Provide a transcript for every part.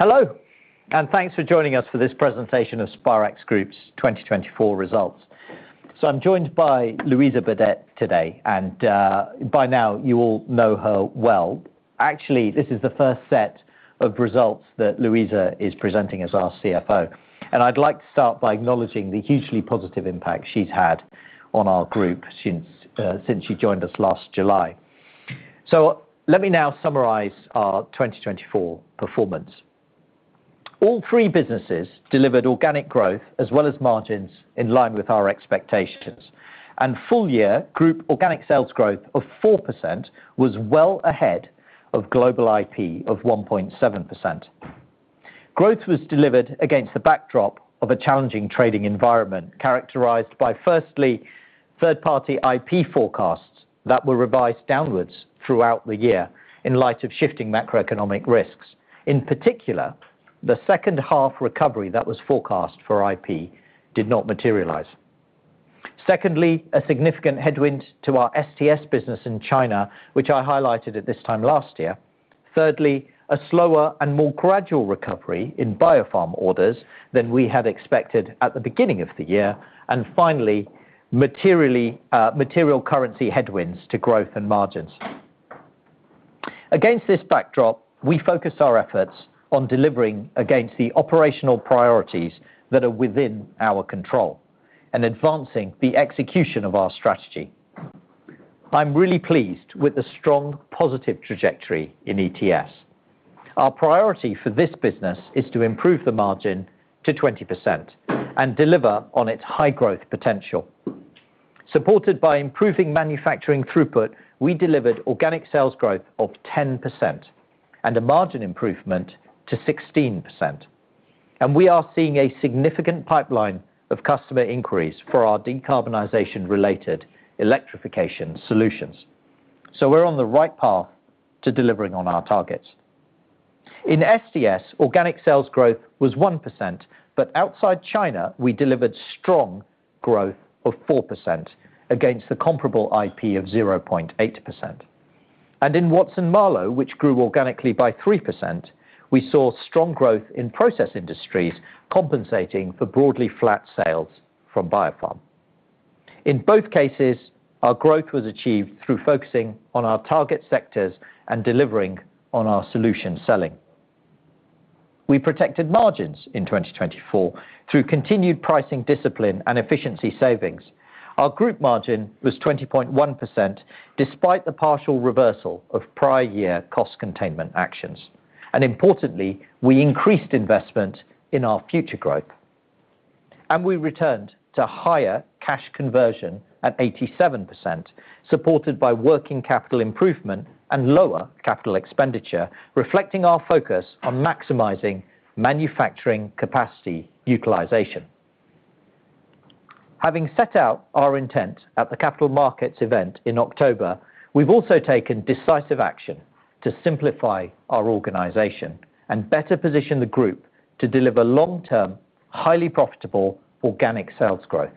Hello, and thanks for joining us for this presentation of Spirax Group's 2024 results. I'm joined by Louisa Burdett today, and by now you all know her well. Actually, this is the first set of results that Louisa is presenting as our CFO. I'd like to start by acknowledging the hugely positive impact she's had on our group since she joined us last July. Let me now summarize our 2024 performance. All three businesses delivered organic growth as well as margins in line with our expectations. Full-year group organic sales growth of 4% was well ahead of global IP of 1.7%. Growth was delivered against the backdrop of a challenging trading environment characterized by, firstly, third-party IP forecasts that were revised downwards throughout the year in light of shifting macroeconomic risks. In particular, the second-half recovery that was forecast for IP did not materialize. Secondly, a significant headwind to our STS business in China, which I highlighted at this time last year. Thirdly, a slower and more gradual recovery in BioPharma orders than we had expected at the beginning of the year. Finally, material currency headwinds to growth and margins. Against this backdrop, we focused our efforts on delivering against the operational priorities that are within our control and advancing the execution of our strategy. I'm really pleased with the strong positive trajectory in ETS. Our priority for this business is to improve the margin to 20% and deliver on its high growth potential. Supported by improving manufacturing throughput, we delivered organic sales growth of 10% and a margin improvement to 16%. We are seeing a significant pipeline of customer inquiries for our decarbonization-related electrification solutions. We are on the right path to delivering on our targets. In STS, organic sales growth was 1%, but outside China, we delivered strong growth of 4% against a comparable IP of 0.8%. In Watson-Marlow, which grew organically by 3%, we saw strong growth in process industries compensating for broadly flat sales from BioPharma. In both cases, our growth was achieved through focusing on our target sectors and delivering on our solution selling. We protected margins in 2024 through continued pricing discipline and efficiency savings. Our group margin was 20.1% despite the partial reversal of prior-year cost containment actions. Importantly, we increased investment in our future growth. We returned to higher cash conversion at 87%, supported by working capital improvement and lower capital expenditure, reflecting our focus on maximizing manufacturing capacity utilization. Having set out our intent at the Capital Markets event in October, we've also taken decisive action to simplify our organization and better position the group to deliver long-term, highly profitable organic sales growth.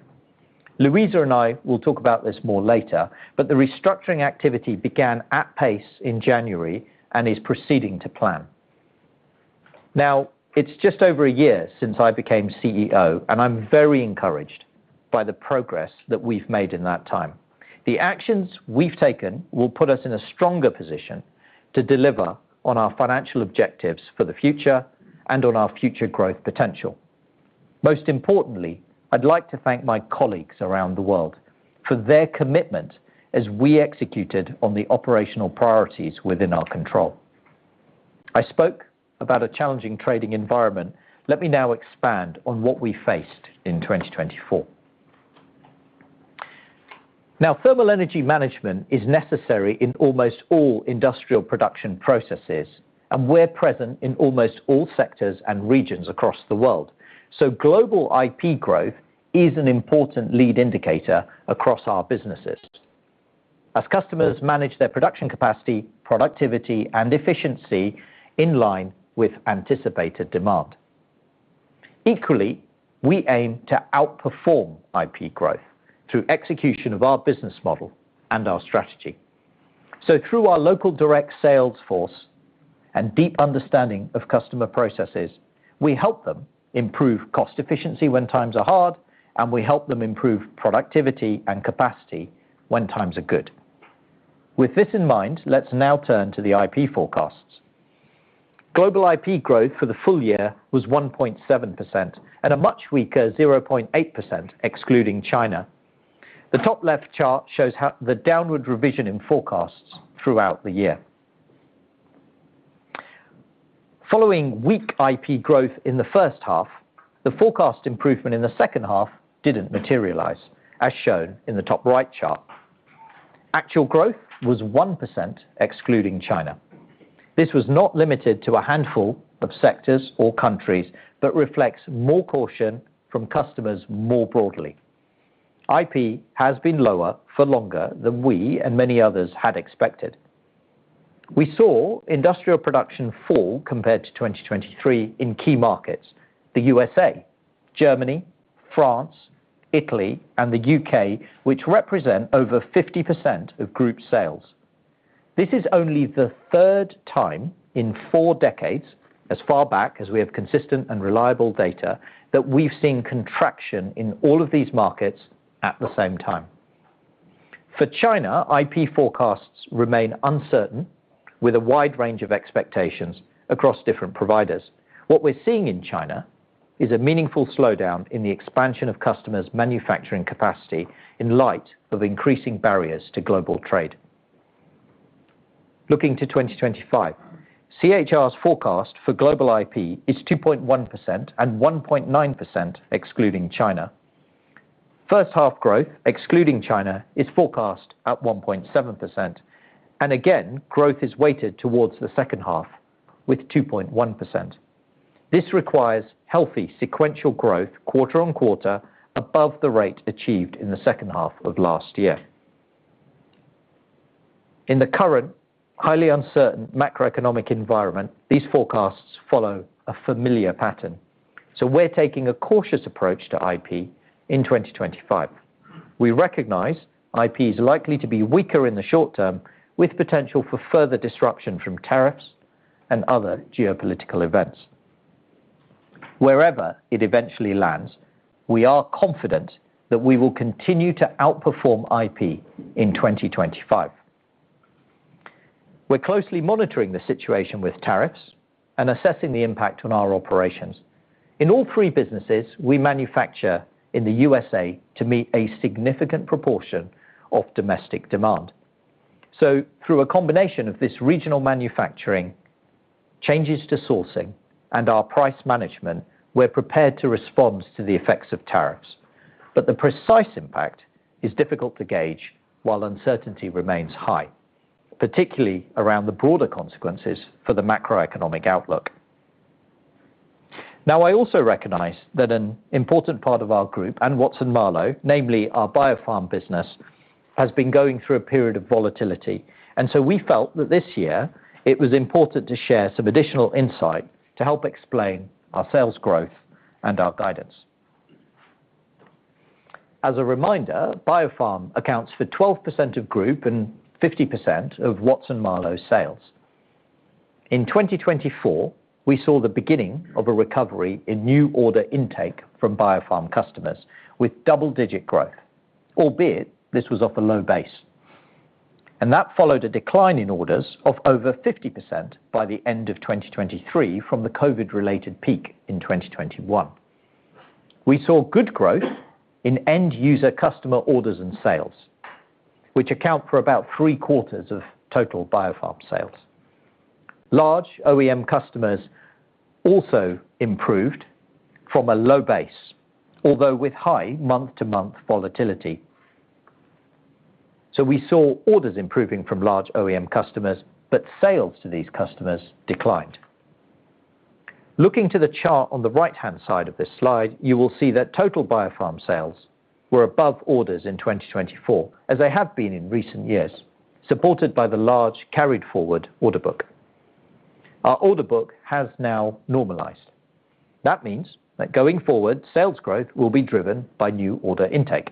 Louisa and I will talk about this more later, but the restructuring activity began at pace in January and is proceeding to plan. Now, it's just over a year since I became CEO, and I'm very encouraged by the progress that we've made in that time. The actions we've taken will put us in a stronger position to deliver on our financial objectives for the future and on our future growth potential. Most importantly, I'd like to thank my colleagues around the world for their commitment as we executed on the operational priorities within our control. I spoke about a challenging trading environment. Let me now expand on what we faced in 2024. Now, thermal energy management is necessary in almost all industrial production processes, and we're present in almost all sectors and regions across the world. Global IP growth is an important lead indicator across our businesses as customers manage their production capacity, productivity, and efficiency in line with anticipated demand. Equally, we aim to outperform IP growth through execution of our business model and our strategy. Through our local direct sales force and deep understanding of customer processes, we help them improve cost efficiency when times are hard, and we help them improve productivity and capacity when times are good. With this in mind, let's now turn to the IP forecasts. Global IP growth for the full year was 1.7% and a much weaker 0.8% excluding China. The top-left chart shows the downward revision in forecasts throughout the year. Following weak IP growth in the first half, the forecast improvement in the second half did not materialize, as shown in the top-right chart. Actual growth was 1% excluding China. This was not limited to a handful of sectors or countries but reflects more caution from customers more broadly. IP has been lower for longer than we and many others had expected. We saw industrial production fall compared to 2023 in key markets: the U.S., Germany, France, Italy, and the U.K., which represent over 50% of group sales. This is only the third time in four decades, as far back as we have consistent and reliable data, that we have seen contraction in all of these markets at the same time. For China, IP forecasts remain uncertain with a wide range of expectations across different providers. What we're seeing in China is a meaningful slowdown in the expansion of customers' manufacturing capacity in light of increasing barriers to global trade. Looking to 2025, CHR's forecast for global IP is 2.1% and 1.9% excluding China. First-half growth, excluding China, is forecast at 1.7%. Growth is weighted towards the second half with 2.1%. This requires healthy sequential growth quarter on quarter above the rate achieved in the second half of last year. In the current highly uncertain macroeconomic environment, these forecasts follow a familiar pattern. We are taking a cautious approach to IP in 2025. We recognize IP is likely to be weaker in the short term, with potential for further disruption from tariffs and other geopolitical events. Wherever it eventually lands, we are confident that we will continue to outperform IP in 2025. We're closely monitoring the situation with tariffs and assessing the impact on our operations. In all three businesses, we manufacture in the U.S.A. to meet a significant proportion of domestic demand. Through a combination of this regional manufacturing, changes to sourcing, and our price management, we're prepared to respond to the effects of tariffs. The precise impact is difficult to gauge while uncertainty remains high, particularly around the broader consequences for the macroeconomic outlook. I also recognize that an important part of our group and Watson-Marlow, namely our BioPharma business, has been going through a period of volatility. We felt that this year it was important to share some additional insight to help explain our sales growth and our guidance. As a reminder, BioPharma accounts for 12% of group and 50% of Watson-Marlow's sales. In 2024, we saw the beginning of a recovery in new order intake from BioPharma customers with double-digit growth, albeit this was off a low base. That followed a decline in orders of over 50% by the end of 2023 from the COVID-related peak in 2021. We saw good growth in end-user customer orders and sales, which account for about three-quarters of total BioPharma sales. Large OEM customers also improved from a low base, although with high month-to-month volatility. We saw orders improving from large OEM customers, but sales to these customers declined. Looking to the chart on the right-hand side of this slide, you will see that total BioPharma sales were above orders in 2024, as they have been in recent years, supported by the large carried-forward order book. Our order book has now normalized. That means that going forward, sales growth will be driven by new order intake.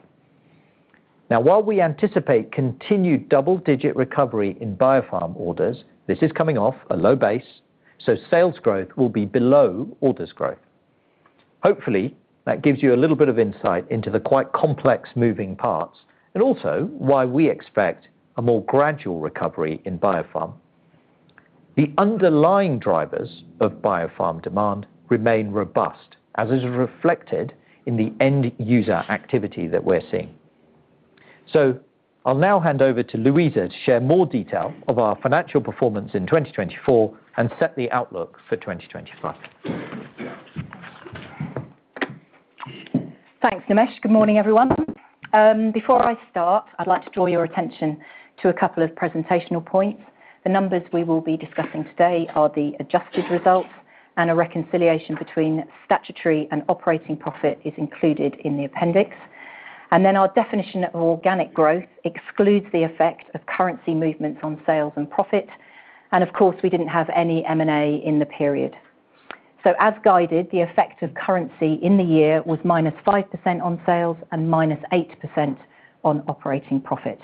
Now, while we anticipate continued double-digit recovery in BioPharma orders, this is coming off a low base, so sales growth will be below orders growth. Hopefully, that gives you a little bit of insight into the quite complex moving parts and also why we expect a more gradual recovery in BioPharma. The underlying drivers of BioPharma demand remain robust, as is reflected in the end-user activity that we're seeing. I'll now hand over to Louisa to share more detail of our financial performance in 2024 and set the outlook for 2025. Thanks, Nimesh. Good morning, everyone. Before I start, I'd like to draw your attention to a couple of presentational points. The numbers we will be discussing today are the adjusted results, and a reconciliation between statutory and operating profit is included in the appendix. Our definition of organic growth excludes the effect of currency movements on sales and profit. Of course, we did not have any M&A in the period. As guided, the effect of currency in the year was -5% on sales and -8% on operating profit.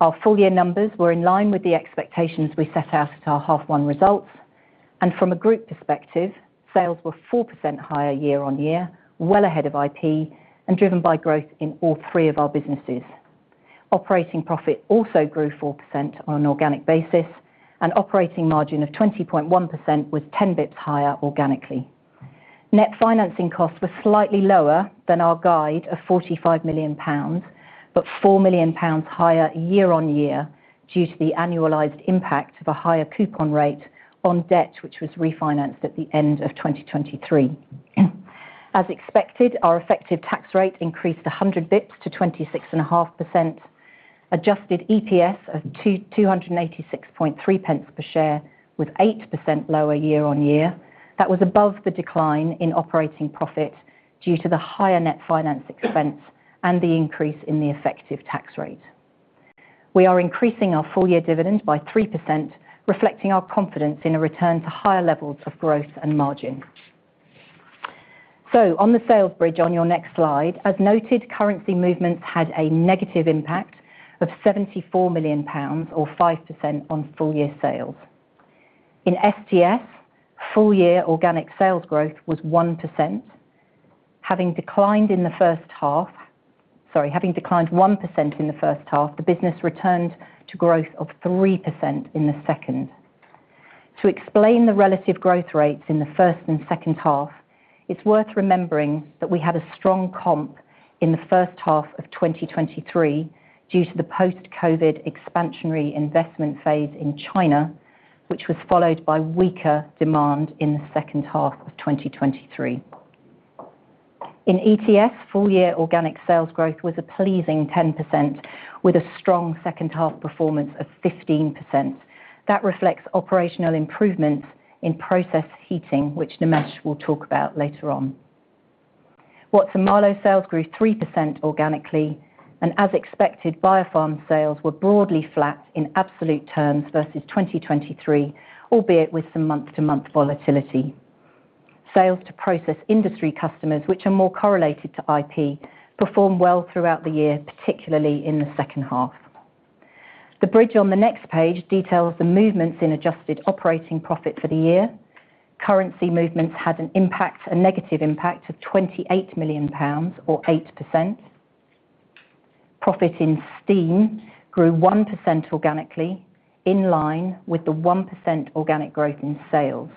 Our full-year numbers were in line with the expectations we set out at our half-one results. From a group perspective, sales were 4% higher year-on-year, well ahead of IP and driven by growth in all three of our businesses. Operating profit also grew 4% on an organic basis, and operating margin of 20.1% was 10 basis points higher organically. Net financing costs were slightly lower than our guide of 45 million pounds, but 4 million pounds higher year-on-year due to the annualized impact of a higher coupon rate on debt, which was refinanced at the end of 2023. As expected, our effective tax rate increased 100 basis points to 26.5%. Adjusted EPS of 286.3 pence per share was 8% lower year-on-year. That was above the decline in operating profit due to the higher net finance expense and the increase in the effective tax rate. We are increasing our full-year dividend by 3%, reflecting our confidence in a return to higher levels of growth and margin. On the sales bridge on your next slide, as noted, currency movements had a negative impact of 74 million pounds, or 5% on full-year sales. In STS, full-year organic sales growth was 1%. Having declined 1% in the first half, the business returned to growth of 3% in the second. To explain the relative growth rates in the first and second half, it is worth remembering that we had a strong comp in the first half of 2023 due to the post-COVID expansionary investment phase in China, which was followed by weaker demand in the second half of 2023. In ETS, full-year organic sales growth was a pleasing 10% with a strong second-half performance of 15%. That reflects operational improvements in process heating, which Nimesh will talk about later on. Watson-Marlow sales grew 3% organically, and as expected, BioPharma sales were broadly flat in absolute terms versus 2023, albeit with some month-to-month volatility. Sales to process industry customers, which are more correlated to IP, performed well throughout the year, particularly in the second half. The bridge on the next page details the movements in adjusted operating profit for the year. Currency movements had an impact, a negative impact of 28 million pounds, or 8%. Profit in steam grew 1% organically, in line with the 1% organic growth in sales.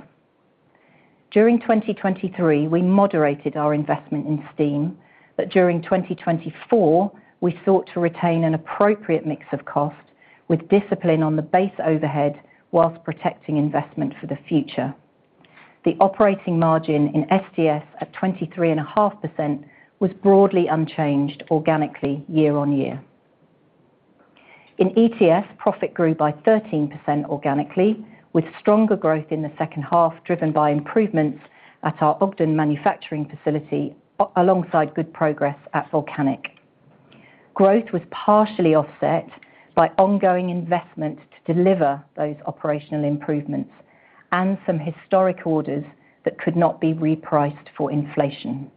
During 2023, we moderated our investment in steam, but during 2024, we sought to retain an appropriate mix of cost with discipline on the base overhead whilst protecting investment for the future. The operating margin in STS at 23.5% was broadly unchanged organically year on year. In ETS, profit grew by 13% organically, with stronger growth in the second half driven by improvements at our Ogden manufacturing facility alongside good progress at Volcanic. Growth was partially offset by ongoing investment to deliver those operational improvements and some historic orders that could not be repriced for inflation.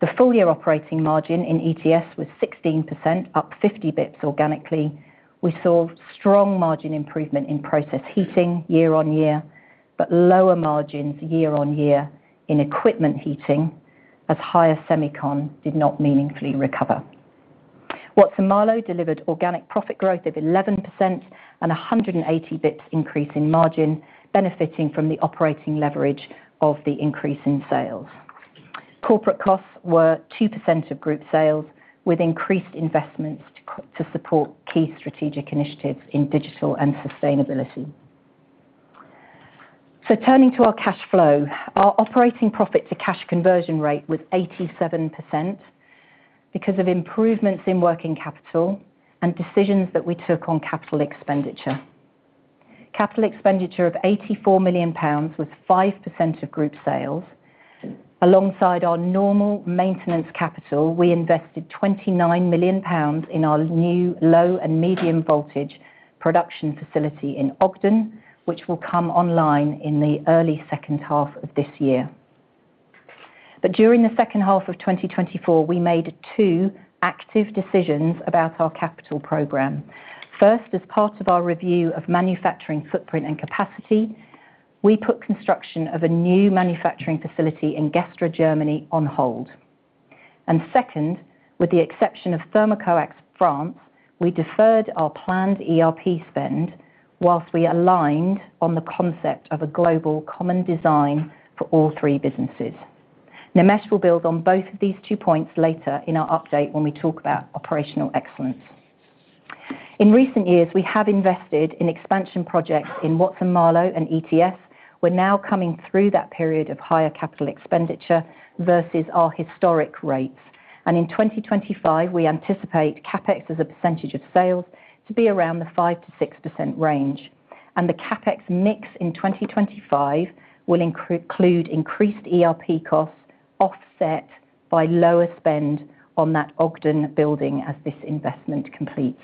The full-year operating margin in ETS was 16%, up 50 basis points organically. We saw strong margin improvement in process heating year on year, but lower margins year on year in equipment heating as higher Semicon did not meaningfully recover. Watson-Marlow delivered organic profit growth of 11% and a 180 basis points increase in margin, benefiting from the operating leverage of the increase in sales. Corporate costs were 2% of group sales with increased investments to support key strategic initiatives in digital and sustainability. Turning to our cash flow, our operating profit to cash conversion rate was 87% because of improvements in working capital and decisions that we took on capital expenditure. Capital expenditure of 84 million pounds was 5% of group sales. Alongside our normal maintenance capital, we invested 29 million pounds in our new low and medium voltage production facility in Ogden, which will come online in the early second half of this year. During the second half of 2024, we made two active decisions about our capital program. First, as part of our review of manufacturing footprint and capacity, we put construction of a new manufacturing facility in Gestra, Germany, on hold. Second, with the exception of Thermocoax France, we deferred our planned ERP spend whilst we aligned on the concept of a global common design for all three businesses. Nimesh will build on both of these two points later in our update when we talk about operational excellence. In recent years, we have invested in expansion projects in Watson-Marlow and ETS. We're now coming through that period of higher capital expenditure versus our historic rates. In 2025, we anticipate CapEx as a percentage of sales to be around the 5%-6% range. The CapEx mix in 2025 will include increased ERP costs offset by lower spend on that Ogden building as this investment completes.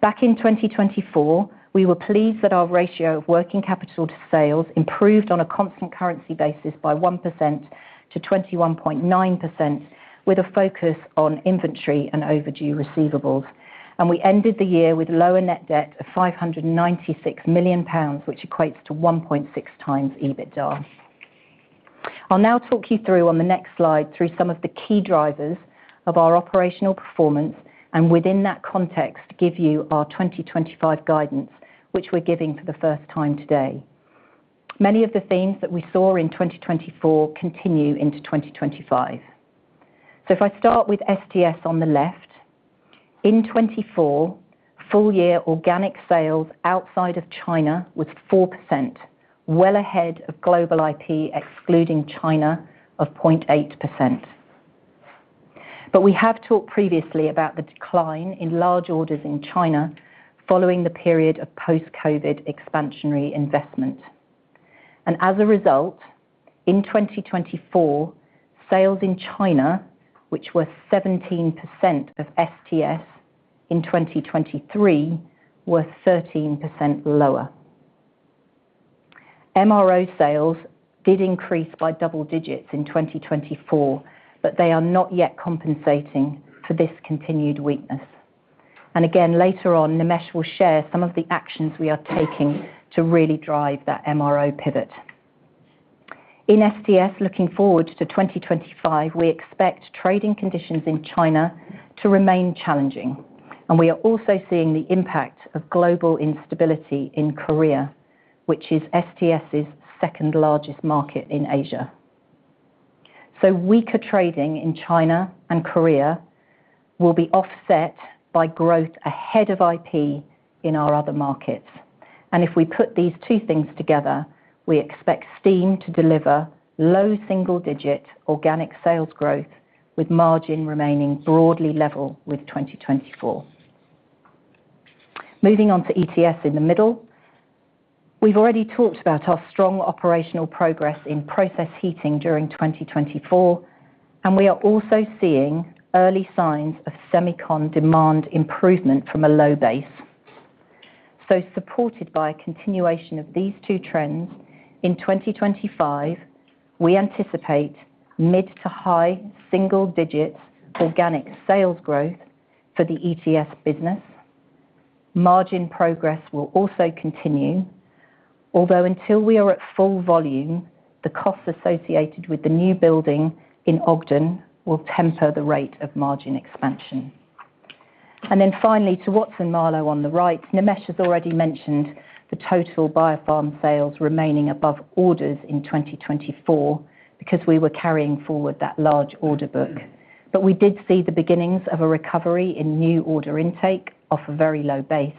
Back in 2024, we were pleased that our ratio of working capital to sales improved on a constant currency basis by 1%-21.9%, with a focus on inventory and overdue receivables. We ended the year with lower net debt of 596 million pounds, which equates to 1.6x EBITDA. I'll now talk you through on the next slide through some of the key drivers of our operational performance, and within that context, give you our 2025 guidance, which we're giving for the first time today. Many of the themes that we saw in 2024 continue into 2025. If I start with STS on the left, in 2024, full-year organic sales outside of China was 4%, well ahead of global IP excluding China of 0.8%. We have talked previously about the decline in large orders in China following the period of post-COVID expansionary investment. As a result, in 2024, sales in China, which were 17% of STS in 2023, were 13% lower. MRO sales did increase by double digits in 2024, but they are not yet compensating for this continued weakness. Again, later on, Nimesh will share some of the actions we are taking to really drive that MRO pivot. In STS, looking forward to 2025, we expect trading conditions in China to remain challenging. We are also seeing the impact of global instability in Korea, which is STS's second largest market in Asia. Weaker trading in China and Korea will be offset by growth ahead of IP in our other markets. If we put these two things together, we expect steam to deliver low single-digit organic sales growth, with margin remaining broadly level with 2024. Moving on to ETS in the middle, we have already talked about our strong operational progress in process heating during 2024, and we are also seeing early signs of Semicon demand improvement from a low base. Supported by a continuation of these two trends, in 2025, we anticipate mid to high single-digit organic sales growth for the ETS business. Margin progress will also continue, although until we are at full volume, the costs associated with the new building in Ogden will temper the rate of margin expansion. Finally, to Watson-Marlow on the right, Nimesh has already mentioned the total BioPharma sales remaining above orders in 2024 because we were carrying forward that large order book. We did see the beginnings of a recovery in new order intake off a very low base,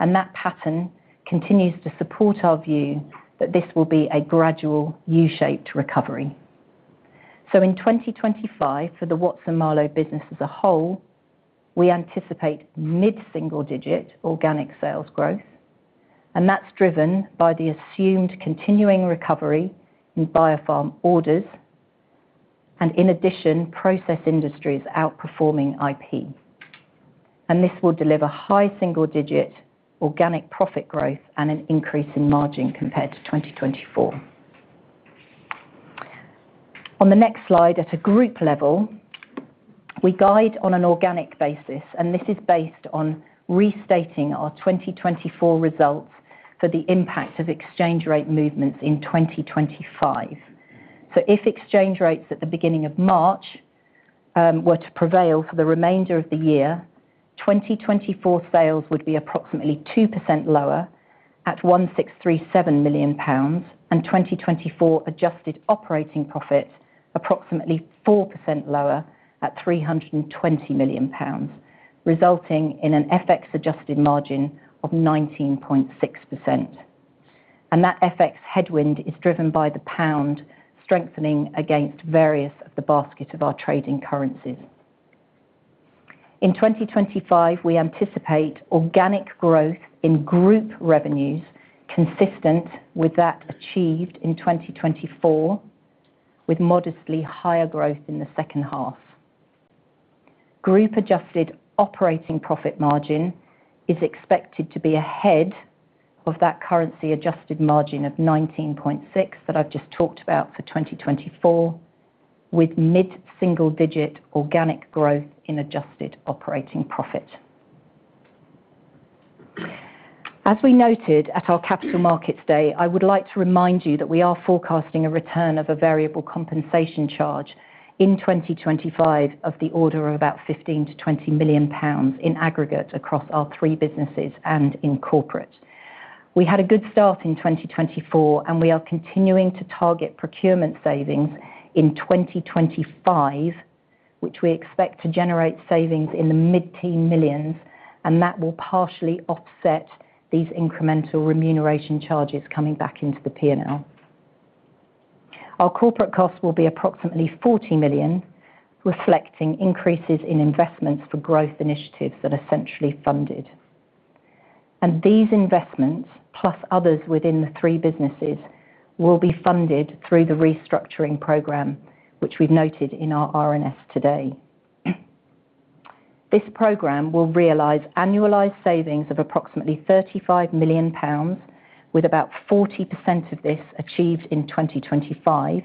and that pattern continues to support our view that this will be a gradual U-shaped recovery. In 2025, for the Watson-Marlow business as a whole, we anticipate mid-single-digit organic sales growth, and that's driven by the assumed continuing recovery in BioPharma orders and, in addition, process industries outperforming IP. This will deliver high single-digit organic profit growth and an increase in margin compared to 2024. On the next slide, at a group level, we guide on an organic basis, and this is based on restating our 2024 results for the impact of exchange rate movements in 2025. If exchange rates at the beginning of March were to prevail for the remainder of the year, 2024 sales would be approximately 2% lower at 1,637 million pounds, and 2024 adjusted operating profit approximately 4% lower at 320 million pounds, resulting in an FX adjusted margin of 19.6%. That FX headwind is driven by the pound strengthening against various of the basket of our trading currencies. In 2025, we anticipate organic growth in group revenues consistent with that achieved in 2024, with modestly higher growth in the second half. Group adjusted operating profit margin is expected to be ahead of that currency adjusted margin of 19.6% that I've just talked about for 2024, with mid-single-digit organic growth in adjusted operating profit. As we noted at our capital markets day, I would like to remind you that we are forecasting a return of a variable compensation charge in 2025 of the order of about 15 million-20 million pounds in aggregate across our three businesses and in corporate. We had a good start in 2024, and we are continuing to target procurement savings in 2025, which we expect to generate savings in the mid-teen millions, and that will partially offset these incremental remuneration charges coming back into the P&L. Our corporate costs will be approximately 40 million, reflecting increases in investments for growth initiatives that are centrally funded. These investments, plus others within the three businesses, will be funded through the restructuring program, which we've noted in our R&S today. This program will realize annualized savings of approximately 35 million pounds, with about 40% of this achieved in 2025.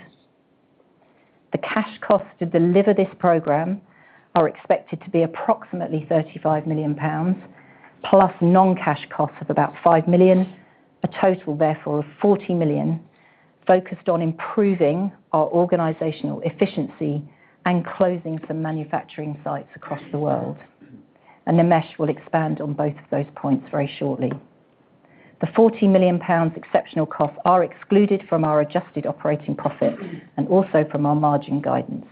The cash costs to deliver this program are expected to be approximately 35 million pounds, plus non-cash costs of about 5 million, a total therefore of 40 million, focused on improving our organizational efficiency and closing some manufacturing sites across the world. Nimesh will expand on both of those points very shortly. The 40 million pounds exceptional costs are excluded from our adjusted operating profit and also from our margin guidance.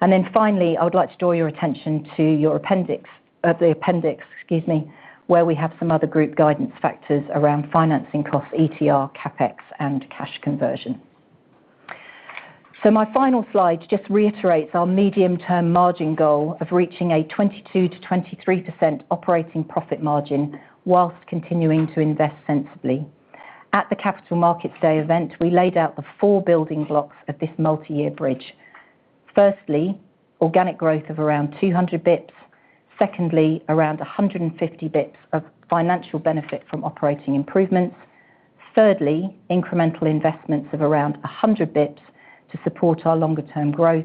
Finally, I would like to draw your attention to the appendix, excuse me, where we have some other group guidance factors around financing costs, ETR, CapEx, and cash conversion. My final slide just reiterates our medium-term margin goal of reaching a 22%-23% operating profit margin whilst continuing to invest sensibly. At the capital markets day event, we laid out the four building blocks of this multi-year bridge. Firstly, organic growth of around 200 basis points. Secondly, around 150 basis points of financial benefit from operating improvements. Thirdly, incremental investments of around 100 basis points to support our longer-term growth.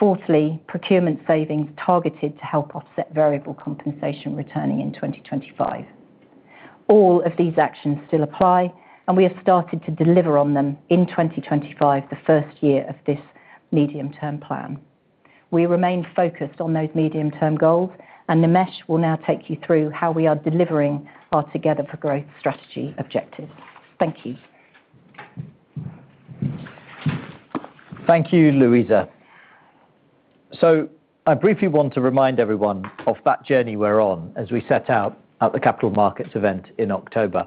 Fourthly, procurement savings targeted to help offset variable compensation returning in 2025. All of these actions still apply, and we have started to deliver on them in 2025, the first year of this medium-term plan. We remain focused on those medium-term goals, and Nimesh will now take you through how we are delivering our Together for Growth strategy objectives. Thank you. Thank you, Louisa. I briefly want to remind everyone of that journey we are on as we set out at the Capital Markets event in October.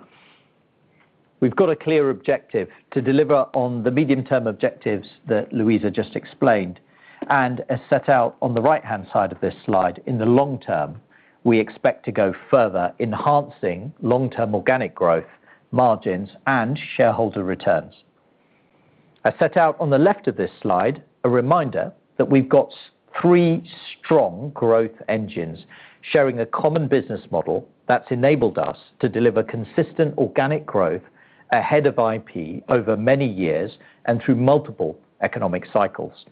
We have got a clear objective to deliver on the medium-term objectives that Louisa just explained, and as set out on the right-hand side of this slide, in the long term, we expect to go further, enhancing long-term organic growth, margins, and shareholder returns. As set out on the left of this slide, a reminder that we have got three strong growth engines sharing a common business model that has enabled us to deliver consistent organic growth ahead of IP over many years and through multiple economic cycles.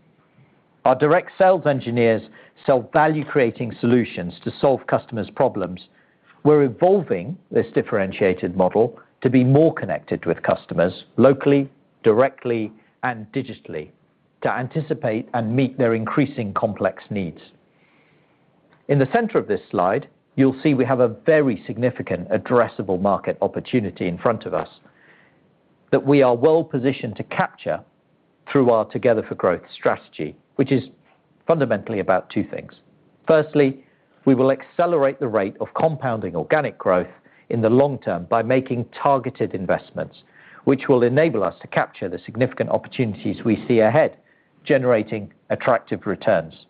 Our direct sales engineers sell value-creating solutions to solve customers' problems. We're evolving this differentiated model to be more connected with customers locally, directly, and digitally to anticipate and meet their increasingly complex needs. In the center of this slide, you'll see we have a very significant addressable market opportunity in front of us that we are well positioned to capture through our Together for Growth strategy, which is fundamentally about two things. Firstly, we will accelerate the rate of compounding organic growth in the long term by making targeted investments, which will enable us to capture the significant opportunities we see ahead, generating attractive returns.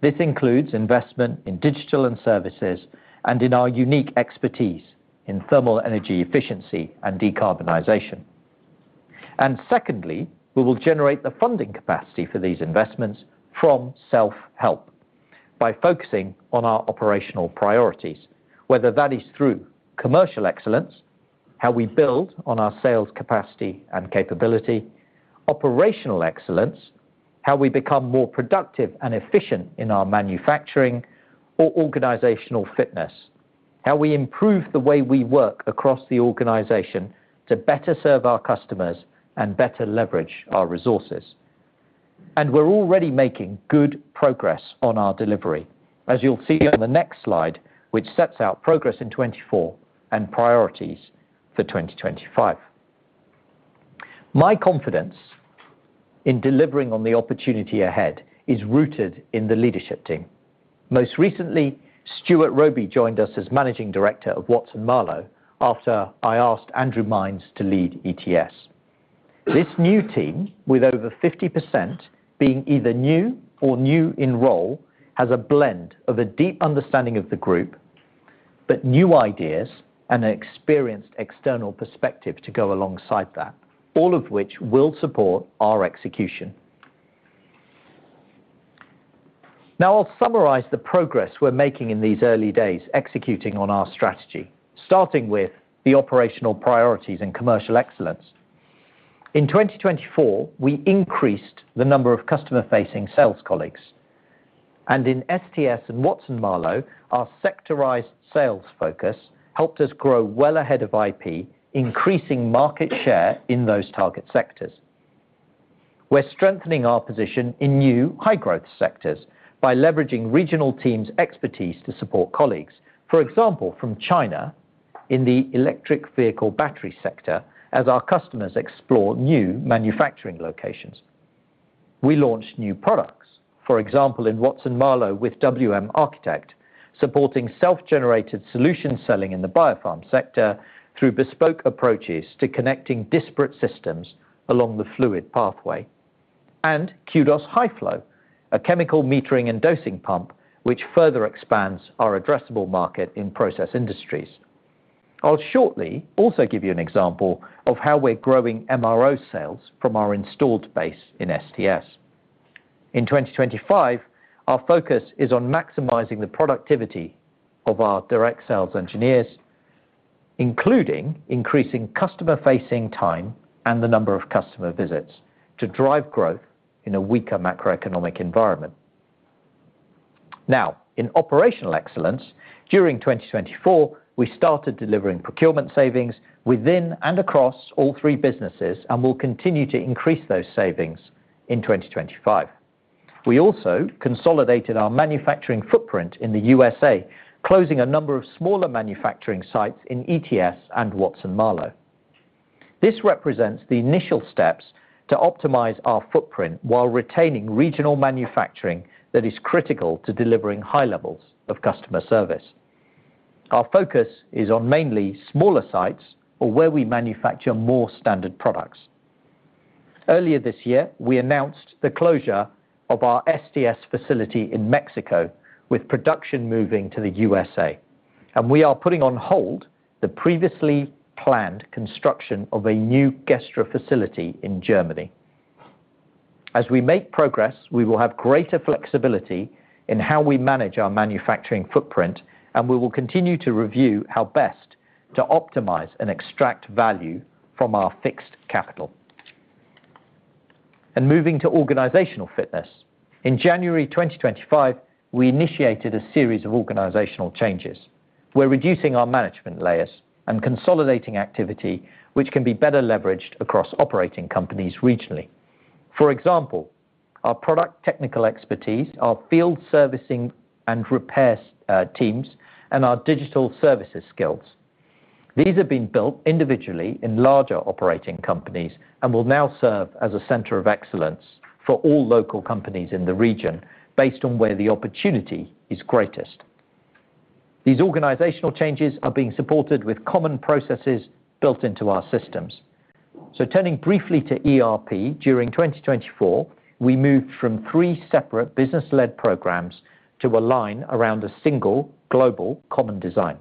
This includes investment in digital and services and in our unique expertise in thermal energy efficiency and decarbonization. We will generate the funding capacity for these investments from self-help by focusing on our operational priorities, whether that is through commercial excellence, how we build on our sales capacity and capability, operational excellence, how we become more productive and efficient in our manufacturing, or organizational fitness, how we improve the way we work across the organization to better serve our customers and better leverage our resources. We are already making good progress on our delivery, as you will see on the next slide, which sets out progress in 2024 and priorities for 2025. My confidence in delivering on the opportunity ahead is rooted in the leadership team. Most recently, Stuart Roby joined us as Managing Director of Watson-Marlow after I asked Andrew Mines to lead ETS. This new team, with over 50% being either new or new in role, has a blend of a deep understanding of the group, but new ideas and an experienced external perspective to go alongside that, all of which will support our execution. Now, I'll summarize the progress we're making in these early days executing on our strategy, starting with the operational priorities and commercial excellence. In 2024, we increased the number of customer-facing sales colleagues. In STS and Watson-Marlow, our sectorized sales focus helped us grow well ahead of IP, increasing market share in those target sectors. We're strengthening our position in new high-growth sectors by leveraging regional teams' expertise to support colleagues, for example, from China in the electric vehicle battery sector, as our customers explore new manufacturing locations. We launched new products, for example, in Watson-Marlow with WMArchitect, supporting self-generated solution selling in the BioPharma sector through bespoke approaches to connecting disparate systems along the fluid pathway. Qdos H-FLO, a chemical metering and dosing pump, which further expands our addressable market in process industries. I'll shortly also give you an example of how we're growing MRO sales from our installed base in STS. In 2025, our focus is on maximizing the productivity of our direct sales engineers, including increasing customer-facing time and the number of customer visits to drive growth in a weaker macroeconomic environment. Now, in operational excellence, during 2024, we started delivering procurement savings within and across all three businesses and will continue to increase those savings in 2025. We also consolidated our manufacturing footprint in the U.S.A., closing a number of smaller manufacturing sites in ETS and Watson-Marlow. This represents the initial steps to optimize our footprint while retaining regional manufacturing that is critical to delivering high levels of customer service. Our focus is on mainly smaller sites or where we manufacture more standard products. Earlier this year, we announced the closure of our STS facility in Mexico, with production moving to the U.S.A. and we are putting on hold the previously planned construction of a new Gestra facility in Germany. As we make progress, we will have greater flexibility in how we manage our manufacturing footprint, and we will continue to review how best to optimize and extract value from our fixed capital. Moving to organizational fitness, in January 2025, we initiated a series of organizational changes. We're reducing our management layers and consolidating activity, which can be better leveraged across operating companies regionally. For example, our product technical expertise, our field servicing and repair teams, and our digital services skills. These have been built individually in larger operating companies and will now serve as a center of excellence for all local companies in the region based on where the opportunity is greatest. These organizational changes are being supported with common processes built into our systems. Turning briefly to ERP, during 2024, we moved from three separate business-led programs to align around a single global common design.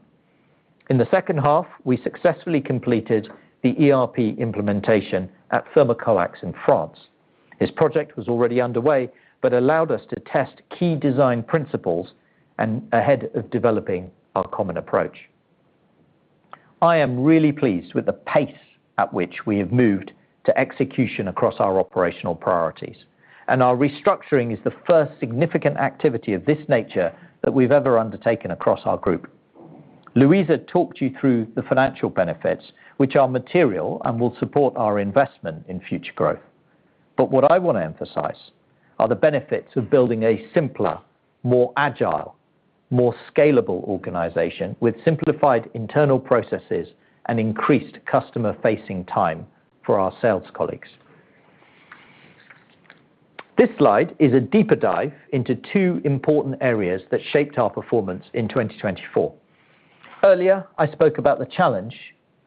In the second half, we successfully completed the ERP implementation at Thermocoax in France. This project was already underway, but allowed us to test key design principles ahead of developing our common approach. I am really pleased with the pace at which we have moved to execution across our operational priorities, and our restructuring is the first significant activity of this nature that we've ever undertaken across our group. Louisa talked you through the financial benefits, which are material and will support our investment in future growth. What I want to emphasize are the benefits of building a simpler, more agile, more scalable organization with simplified internal processes and increased customer-facing time for our sales colleagues. This slide is a deeper dive into two important areas that shaped our performance in 2024. Earlier, I spoke about the challenge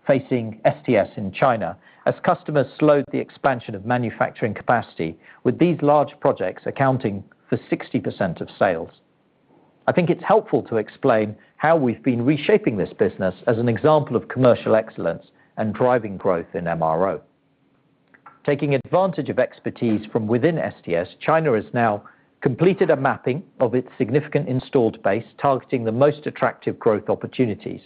facing STS in China as customers slowed the expansion of manufacturing capacity, with these large projects accounting for 60% of sales. I think it's helpful to explain how we've been reshaping this business as an example of commercial excellence and driving growth in MRO. Taking advantage of expertise from within STS, China has now completed a mapping of its significant installed base targeting the most attractive growth opportunities,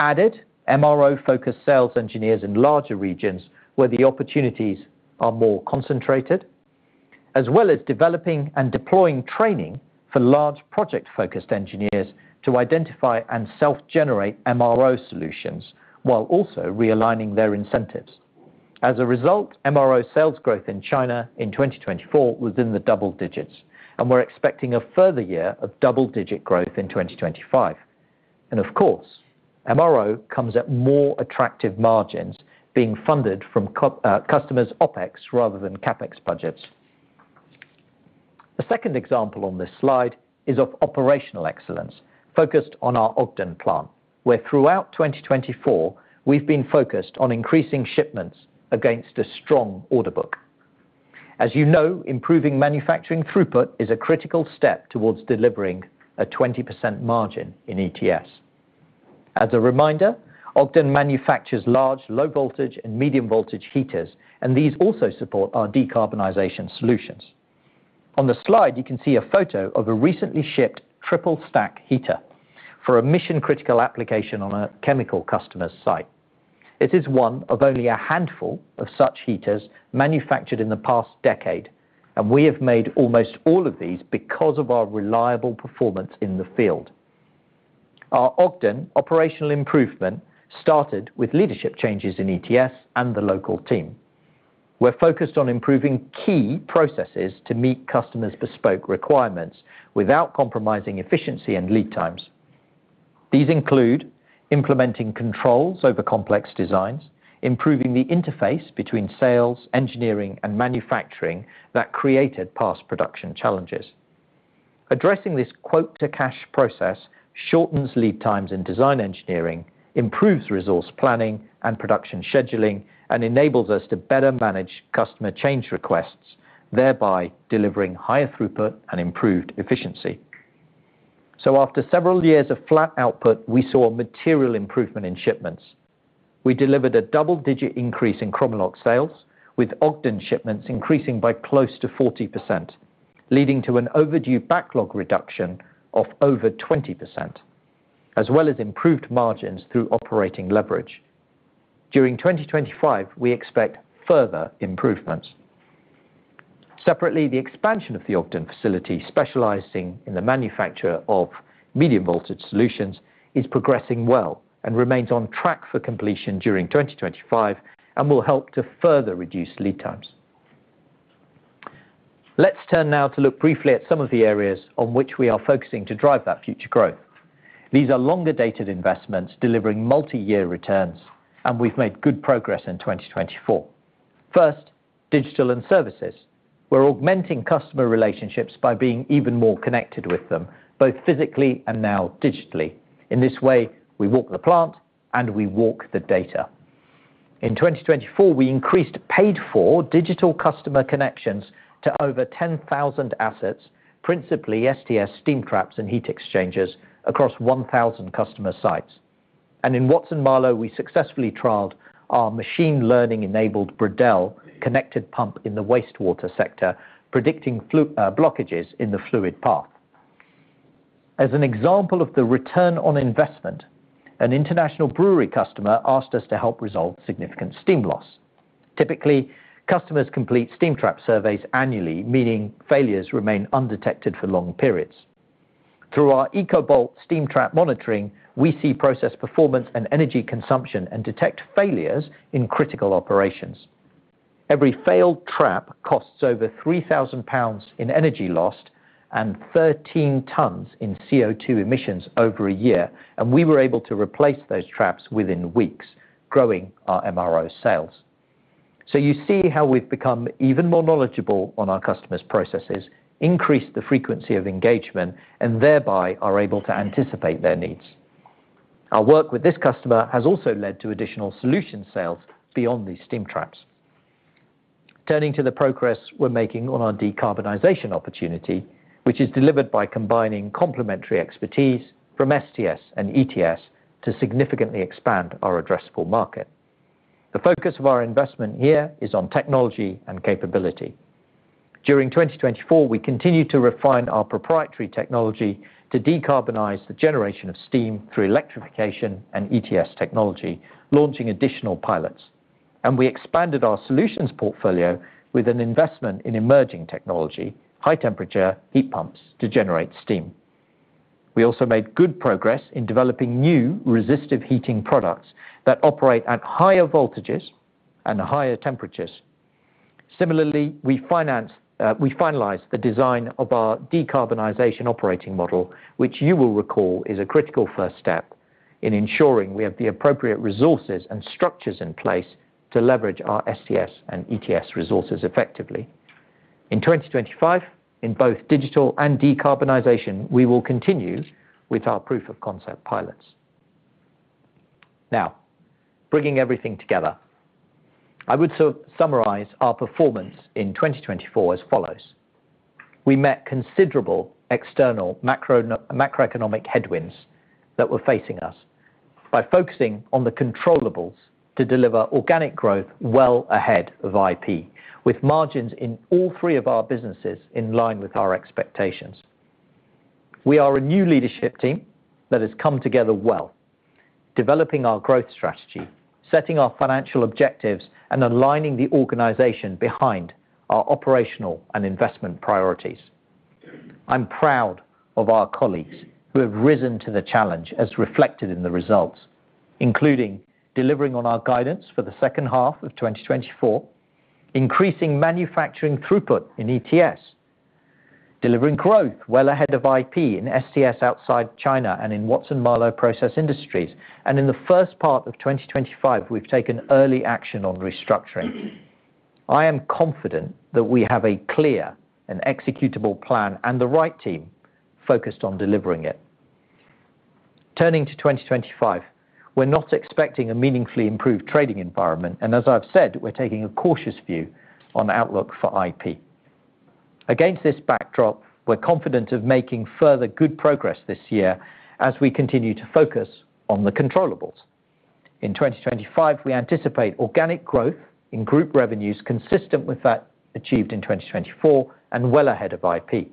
added MRO-focused sales engineers in larger regions where the opportunities are more concentrated, as well as developing and deploying training for large project-focused engineers to identify and self-generate MRO solutions while also realigning their incentives. As a result, MRO sales growth in China in 2024 was in the double digits, and we are expecting a further year of double-digit growth in 2025. Of course, MRO comes at more attractive margins being funded from customers' OpEx rather than CapEx budgets. The second example on this slide is of operational excellence focused on our Ogden plant, where throughout 2024, we have been focused on increasing shipments against a strong order book. As you know, improving manufacturing throughput is a critical step towards delivering a 20% margin in ETS. As a reminder, Ogden manufactures large low-voltage and medium-voltage heaters, and these also support our decarbonization solutions. On the slide, you can see a photo of a recently shipped triple-stack heater for a mission-critical application on a chemical customer's site. It is one of only a handful of such heaters manufactured in the past decade, and we have made almost all of these because of our reliable performance in the field. Our Ogden operational improvement started with leadership changes in ETS and the local team. We're focused on improving key processes to meet customers' bespoke requirements without compromising efficiency and lead times. These include implementing controls over complex designs, improving the interface between sales, engineering, and manufacturing that created past production challenges. Addressing this quote-to-cash process shortens lead times in design engineering, improves resource planning and production scheduling, and enables us to better manage customer change requests, thereby delivering higher throughput and improved efficiency. After several years of flat output, we saw material improvement in shipments. We delivered a double-digit increase in Chromalox sales, with Ogden shipments increasing by close to 40%, leading to an overdue backlog reduction of over 20%, as well as improved margins through operating leverage. During 2025, we expect further improvements. Separately, the expansion of the Ogden facility specializing in the manufacture of medium-voltage solutions is progressing well and remains on track for completion during 2025 and will help to further reduce lead times. Let's turn now to look briefly at some of the areas on which we are focusing to drive that future growth. These are longer-dated investments delivering multi-year returns, and we've made good progress in 2024. First, digital and services. We're augmenting customer relationships by being even more connected with them, both physically and now digitally. In this way, we walk the plant and we walk the data. In 2024, we increased paid-for digital customer connections to over 10,000 assets, principally STS steam traps and heat exchangers across 1,000 customer sites. In Watson-Marlow, we successfully trialed our machine-learning-enabled Bredell connected pump in the wastewater sector, predicting blockages in the fluid path. As an example of the return on investment, an international brewery customer asked us to help resolve significant steam loss. Typically, customers complete steam trap surveys annually, meaning failures remain undetected for long periods. Through our ecoBolt steam trap monitoring, we see process performance and energy consumption and detect failures in critical operations. Every failed trap costs over 3,000 pounds in energy loss and 13 tons in CO2 emissions over a year, and we were able to replace those traps within weeks, growing our MRO sales. You see how we've become even more knowledgeable on our customers' processes, increased the frequency of engagement, and thereby are able to anticipate their needs. Our work with this customer has also led to additional solution sales beyond these steam traps. Turning to the progress we're making on our decarbonization opportunity, which is delivered by combining complementary expertise from STS and ETS to significantly expand our addressable market. The focus of our investment here is on technology and capability. During 2024, we continue to refine our proprietary technology to decarbonize the generation of steam through electrification and ETS technology, launching additional pilots. We expanded our solutions portfolio with an investment in emerging technology, high-temperature heat pumps to generate steam. We also made good progress in developing new resistive heating products that operate at higher voltages and higher temperatures. Similarly, we finalized the design of our decarbonization operating model, which you will recall is a critical first step in ensuring we have the appropriate resources and structures in place to leverage our STS and ETS resources effectively. In 2025, in both digital and decarbonization, we will continue with our proof-of-concept pilots. Now, bringing everything together, I would summarize our performance in 2024 as follows. We met considerable external macroeconomic headwinds that were facing us by focusing on the controllable to deliver organic growth well ahead of IP, with margins in all three of our businesses in line with our expectations. We are a new leadership team that has come together well, developing our growth strategy, setting our financial objectives, and aligning the organization behind our operational and investment priorities. I'm proud of our colleagues who have risen to the challenge as reflected in the results, including delivering on our guidance for the second half of 2024, increasing manufacturing throughput in ETS, delivering growth well ahead of IP in STS outside China and in Watson-Marlow process industries, and in the first part of 2025, we've taken early action on restructuring. I am confident that we have a clear and executable plan and the right team focused on delivering it. Turning to 2025, we're not expecting a meaningfully improved trading environment, and as I've said, we're taking a cautious view on outlook for IP. Against this backdrop, we're confident of making further good progress this year as we continue to focus on the controllable. In 2025, we anticipate organic growth in group revenues consistent with that achieved in 2024 and well ahead of IP,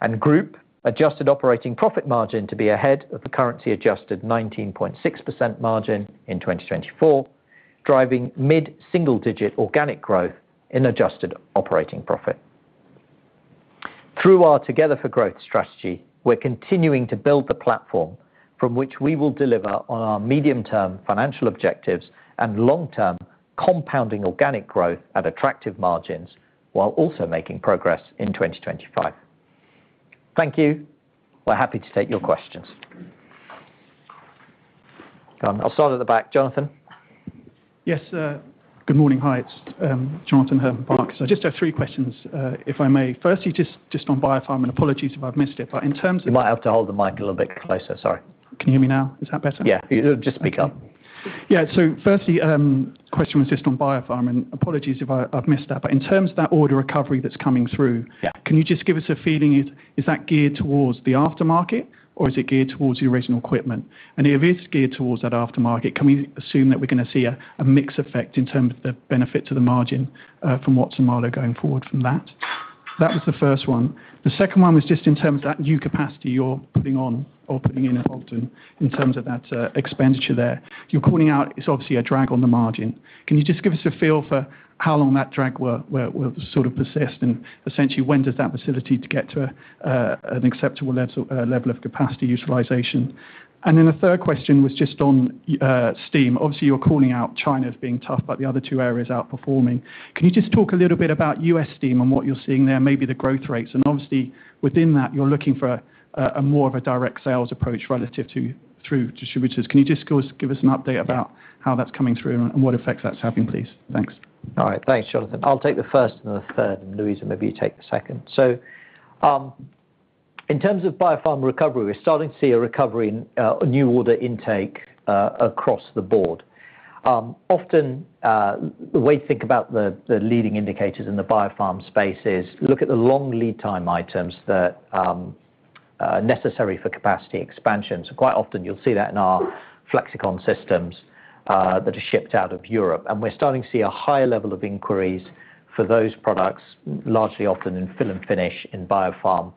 and group adjusted operating profit margin to be ahead of the currency-adjusted 19.6% margin in 2024, driving mid-single-digit organic growth in adjusted operating profit. Through our together-for-growth strategy, we're continuing to build the platform from which we will deliver on our medium-term financial objectives and long-term compounding organic growth at attractive margins while also making progress in 2025. Thank you. We're happy to take your questions. I'll start at the back. Jonathan. Yes. Good morning. Hi. It's [Jonathan Herman Barkes]. I just have three questions, if I may. Firstly, just on BioPharma, and apologies if I've missed it, but in terms. You might have to hold the mic a little bit closer. Sorry. Can you hear me now? Is that better? Yeah. Just speak up. Yeah. Firstly, the question was just on BioPharma, and apologies if I've missed that. In terms of that order recovery that's coming through, can you just give us a feeling? Is that geared towards the aftermarket, or is it geared towards your original equipment? If it's geared towards that aftermarket, can we assume that we're going to see a mixed effect in terms of the benefit to the margin from Watson-Marlow going forward from that? That was the first one. The second one was just in terms of that new capacity you're putting on or putting in at Ogden in terms of that expenditure there. You're calling out it's obviously a drag on the margin. Can you just give us a feel for how long that drag will sort of persist? Essentially, when does that facility get to an acceptable level of capacity utilization? The third question was just on steam. Obviously, you're calling out China as being tough, but the other two areas outperforming. Can you just talk a little bit about U.S. steam and what you're seeing there, maybe the growth rates? Obviously, within that, you're looking for more of a direct sales approach relative to through distributors. Can you just give us an update about how that's coming through and what effects that's having, please? Thanks. All right. Thanks, Jonathan. I'll take the first and the third. Louisa, maybe you take the second. In terms of BioPharma recovery, we're starting to see a recovery in new order intake across the board. Often, the way to think about the leading indicators in the BioPharma space is look at the long lead time items that are necessary for capacity expansion. Quite often, you'll see that in our Flexicon systems that are shipped out of Europe. We're starting to see a higher level of inquiries for those products, largely often in fill and finish in BioPharma,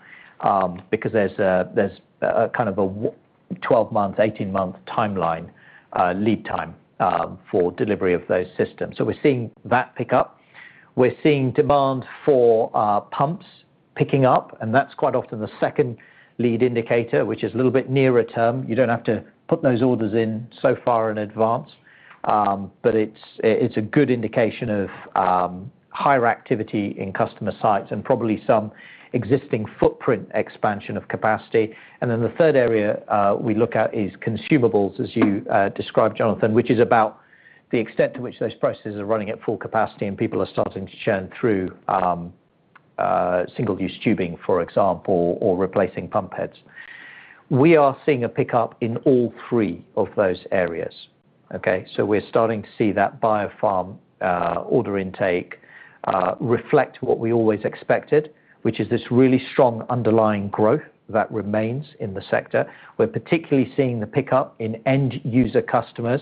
because there's a kind of a 12-month, 18-month timeline lead time for delivery of those systems. We're seeing that pick up. We're seeing demand for pumps picking up, and that's quite often the second lead indicator, which is a little bit nearer term. You don't have to put those orders in so far in advance, but it's a good indication of higher activity in customer sites and probably some existing footprint expansion of capacity. The third area we look at is consumables, as you described, Jonathan, which is about the extent to which those processes are running at full capacity and people are starting to churn through single-use tubing, for example, or replacing pump heads. We are seeing a pick up in all three of those areas. Okay? We're starting to see that BioPharma order intake reflect what we always expected, which is this really strong underlying growth that remains in the sector. We're particularly seeing the pick up in end-user customers.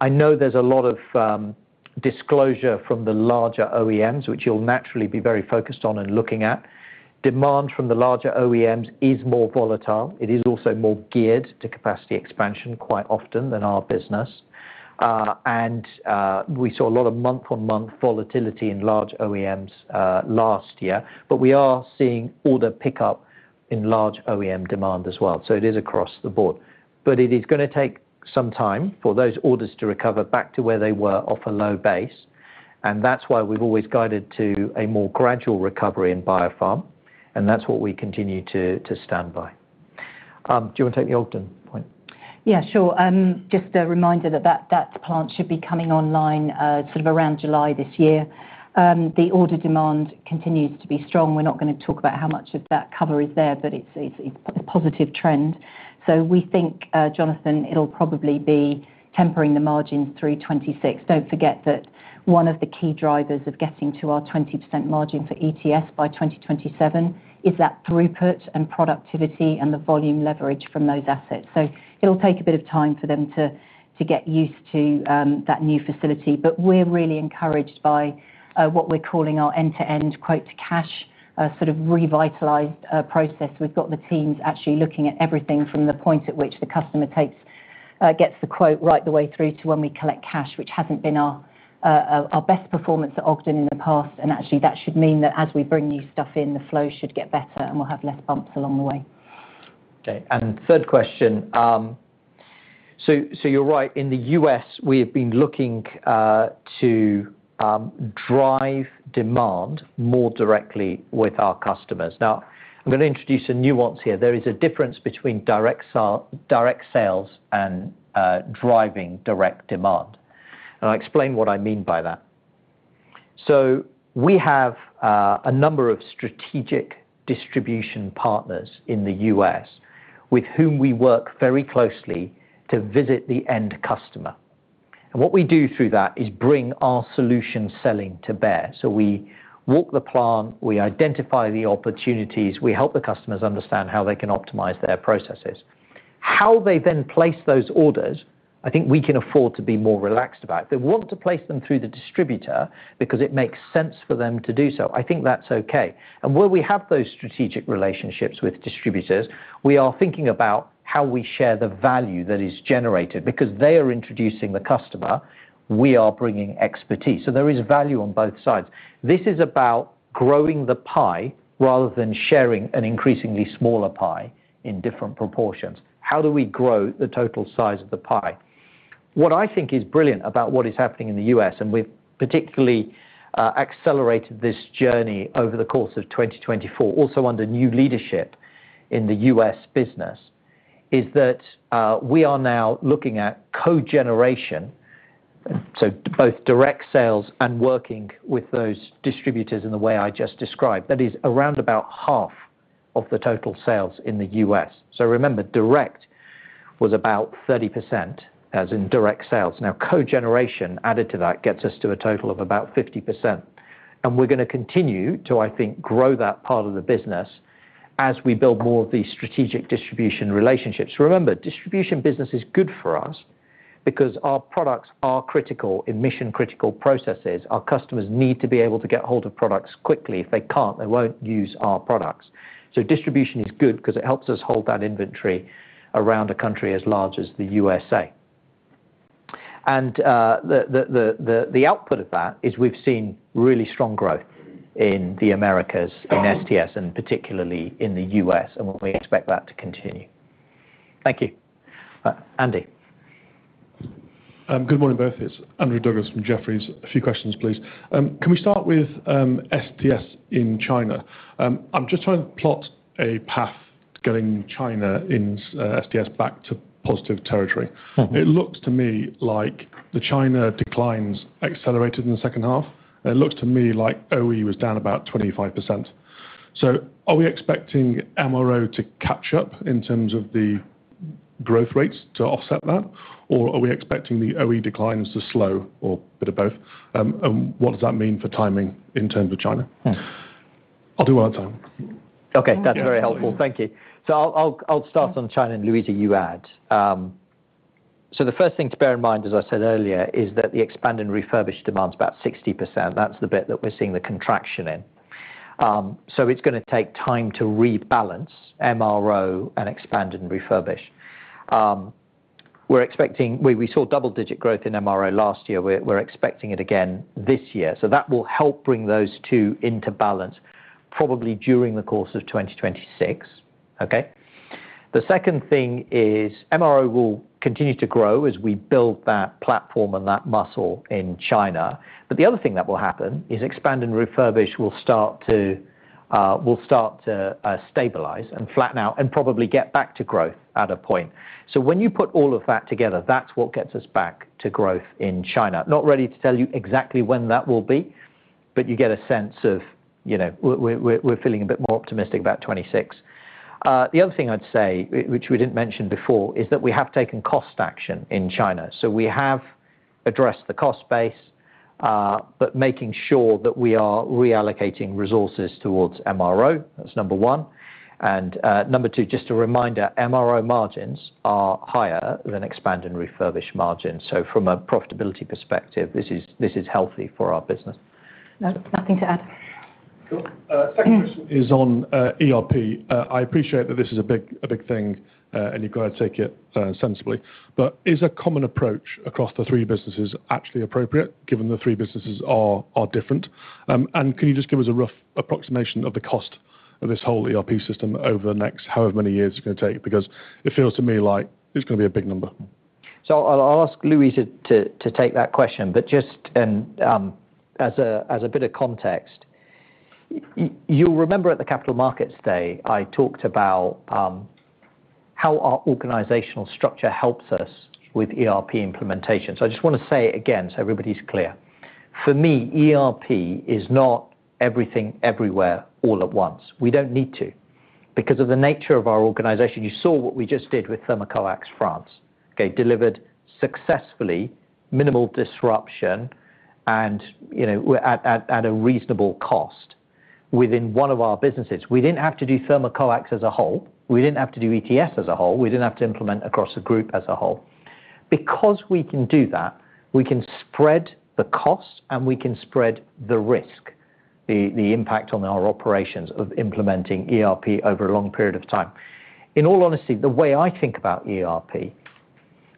I know there's a lot of disclosure from the larger OEMs, which you'll naturally be very focused on and looking at. Demand from the larger OEMs is more volatile. It is also more geared to capacity expansion quite often than our business. We saw a lot of month-on-month volatility in large OEMs last year, but we are seeing order pick up in large OEM demand as well. It is across the board. It is going to take some time for those orders to recover back to where they were off a low base. That is why we have always guided to a more gradual recovery in BioPharma, and that is what we continue to stand by. Do you want to take the Ogden point? Yeah, sure. Just a reminder that that plant should be coming online sort of around July this year. The order demand continues to be strong. We are not going to talk about how much of that cover is there, but it is a positive trend. We think, Jonathan, it'll probably be tempering the margins through 2026. Do not forget that one of the key drivers of getting to our 20% margin for ETS by 2027 is that throughput and productivity and the volume leverage from those assets. It will take a bit of time for them to get used to that new facility. We are really encouraged by what we are calling our end-to-end quote-to-cash sort of revitalized process. We have got the teams actually looking at everything from the point at which the customer gets the quote right the way through to when we collect cash, which has not been our best performance at Ogden in the past. Actually, that should mean that as we bring new stuff in, the flow should get better and we will have fewer bumps along the way. Okay. Third question. You are right.In the U.S., we have been looking to drive demand more directly with our customers. Now, I'm going to introduce a nuance here. There is a difference between direct sales and driving direct demand. I'll explain what I mean by that. We have a number of strategic distribution partners in the U.S. with whom we work very closely to visit the end customer. What we do through that is bring our solution selling to bear. We walk the plant, we identify the opportunities, we help the customers understand how they can optimize their processes. How they then place those orders, I think we can afford to be more relaxed about. If they want to place them through the distributor because it makes sense for them to do so, I think that's okay. Where we have those strategic relationships with distributors, we are thinking about how we share the value that is generated because they are introducing the customer, we are bringing expertise. There is value on both sides. This is about growing the pie rather than sharing an increasingly smaller pie in different proportions. How do we grow the total size of the pie? What I think is brilliant about what is happening in the U.S., and we have particularly accelerated this journey over the course of 2024, also under new leadership in the U.S. business, is that we are now looking at cogeneration, so both direct sales and working with those distributors in the way I just described. That is around about half of the total sales in the U.S. Remember, direct was about 30%, as in direct sales. Now, cogeneration added to that gets us to a total of about 50%. We are going to continue to, I think, grow that part of the business as we build more of these strategic distribution relationships. Remember, distribution business is good for us because our products are critical, emission-critical processes. Our customers need to be able to get hold of products quickly. If they cannot, they will not use our products. Distribution is good because it helps us hold that inventory around a country as large as the U.S.A. The output of that is we have seen really strong growth in the Americas, in STS, and particularly in the U.S., and we expect that to continue. Thank you. Andy. Good morning, both. It is Andrew Douglas from Jefferies. A few questions, please. Can we start with STS in China? I'm just trying to plot a path getting China in STS back to positive territory. It looks to me like the China declines accelerated in the second half. It looks to me like OE was down about 25%. Are we expecting MRO to catch up in terms of the growth rates to offset that, or are we expecting the OE declines to slow or a bit of both? What does that mean for timing in terms of China? I'll do one at a time. Okay. That's very helpful. Thank you. I'll start on China. Louisa, you add. The first thing to bear in mind, as I said earlier, is that the expanded and refurbished demand's about 60%. That's the bit that we're seeing the contraction in. It's going to take time to rebalance MRO and expand and refurbish. We saw double-digit growth in MRO last year. We're expecting it again this year. That will help bring those two into balance, probably during the course of 2026. Okay? The second thing is MRO will continue to grow as we build that platform and that muscle in China. The other thing that will happen is expand and refurbish will start to stabilize and flatten out and probably get back to growth at a point. When you put all of that together, that's what gets us back to growth in China. Not ready to tell you exactly when that will be, but you get a sense of we're feeling a bit more optimistic about 2026. The other thing I'd say, which we didn't mention before, is that we have taken cost action in China. We have addressed the cost base, but making sure that we are reallocating resources towards MRO. That's number one. Number two, just a reminder, MRO margins are higher than expand and refurbish margins. From a profitability perspective, this is healthy for our business. Nothing to add. Second question is on ERP. I appreciate that this is a big thing, and you've got to take it sensibly. Is a common approach across the three businesses actually appropriate, given the three businesses are different? Can you just give us a rough approximation of the cost of this whole ERP system over the next however many years it's going to take? It feels to me like it's going to be a big number. I'll ask Louisa to take that question. Just as a bit of context, you'll remember at the capital markets day, I talked about how our organizational structure helps us with ERP implementation. I just want to say it again so everybody's clear. For me, ERP is not everything everywhere all at once. We don't need to. Because of the nature of our organization, you saw what we just did with Thermocoax France. Okay? Delivered successfully, minimal disruption, and at a reasonable cost within one of our businesses. We didn't have to do Thermocoax as a whole. We didn't have to do ETS as a whole. We didn't have to implement across a group as a whole. Because we can do that, we can spread the cost, and we can spread the risk, the impact on our operations of implementing ERP over a long period of time. In all honesty, the way I think about ERP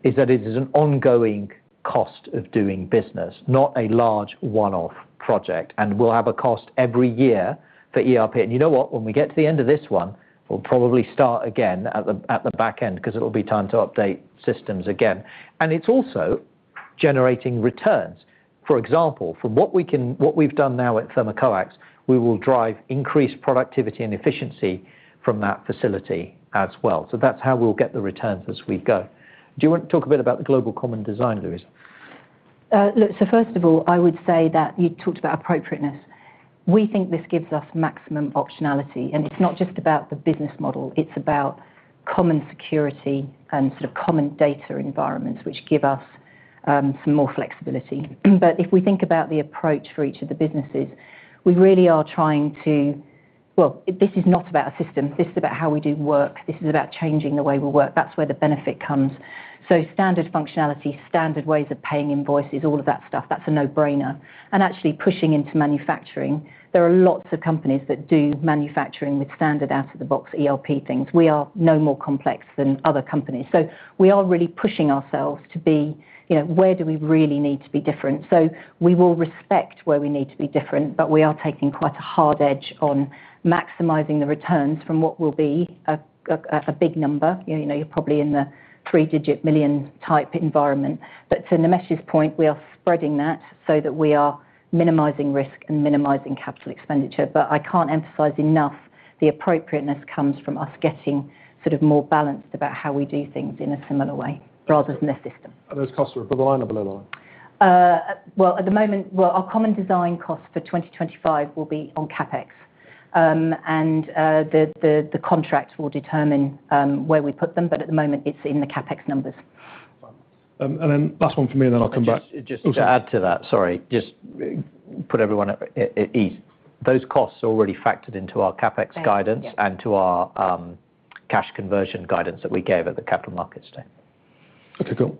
is that it is an ongoing cost of doing business, not a large one-off project. We will have a cost every year for ERP. You know what? When we get to the end of this one, we will probably start again at the back end because it will be time to update systems again. It is also generating returns. For example, from what we have done now at Thermocoax, we will drive increased productivity and efficiency from that facility as well. That is how we will get the returns as we go. Do you want to talk a bit about the global common design, Louisa? Look, first of all, I would say that you talked about appropriateness. We think this gives us maximum optionality. It is not just about the business model. It's about common security and sort of common data environments, which give us some more flexibility. If we think about the approach for each of the businesses, we really are trying to, well, this is not about a system. This is about how we do work. This is about changing the way we work. That's where the benefit comes. Standard functionality, standard ways of paying invoices, all of that stuff, that's a no-brainer. Actually pushing into manufacturing. There are lots of companies that do manufacturing with standard out-of-the-box ERP things. We are no more complex than other companies. We are really pushing ourselves to be, where do we really need to be different? We will respect where we need to be different, but we are taking quite a hard edge on maximizing the returns from what will be a big number. You're probably in the three-digit million type environment. To Nimesh's point, we are spreading that so that we are minimizing risk and minimizing capital expenditure. I can't emphasize enough the appropriateness comes from us getting sort of more balanced about how we do things in a similar way rather than this system. Are those costs for the line or below the line? At the moment, our common design cost for 2025 will be on CapEx. The contract will determine where we put them, but at the moment, it's in the CapEx numbers. Last one from me, and then I'll come back. Just to add to that, sorry. Just put everyone at ease. Those costs are already factored into our CapEx guidance and to our cash conversion guidance that we gave at the capital markets day. Okay, cool.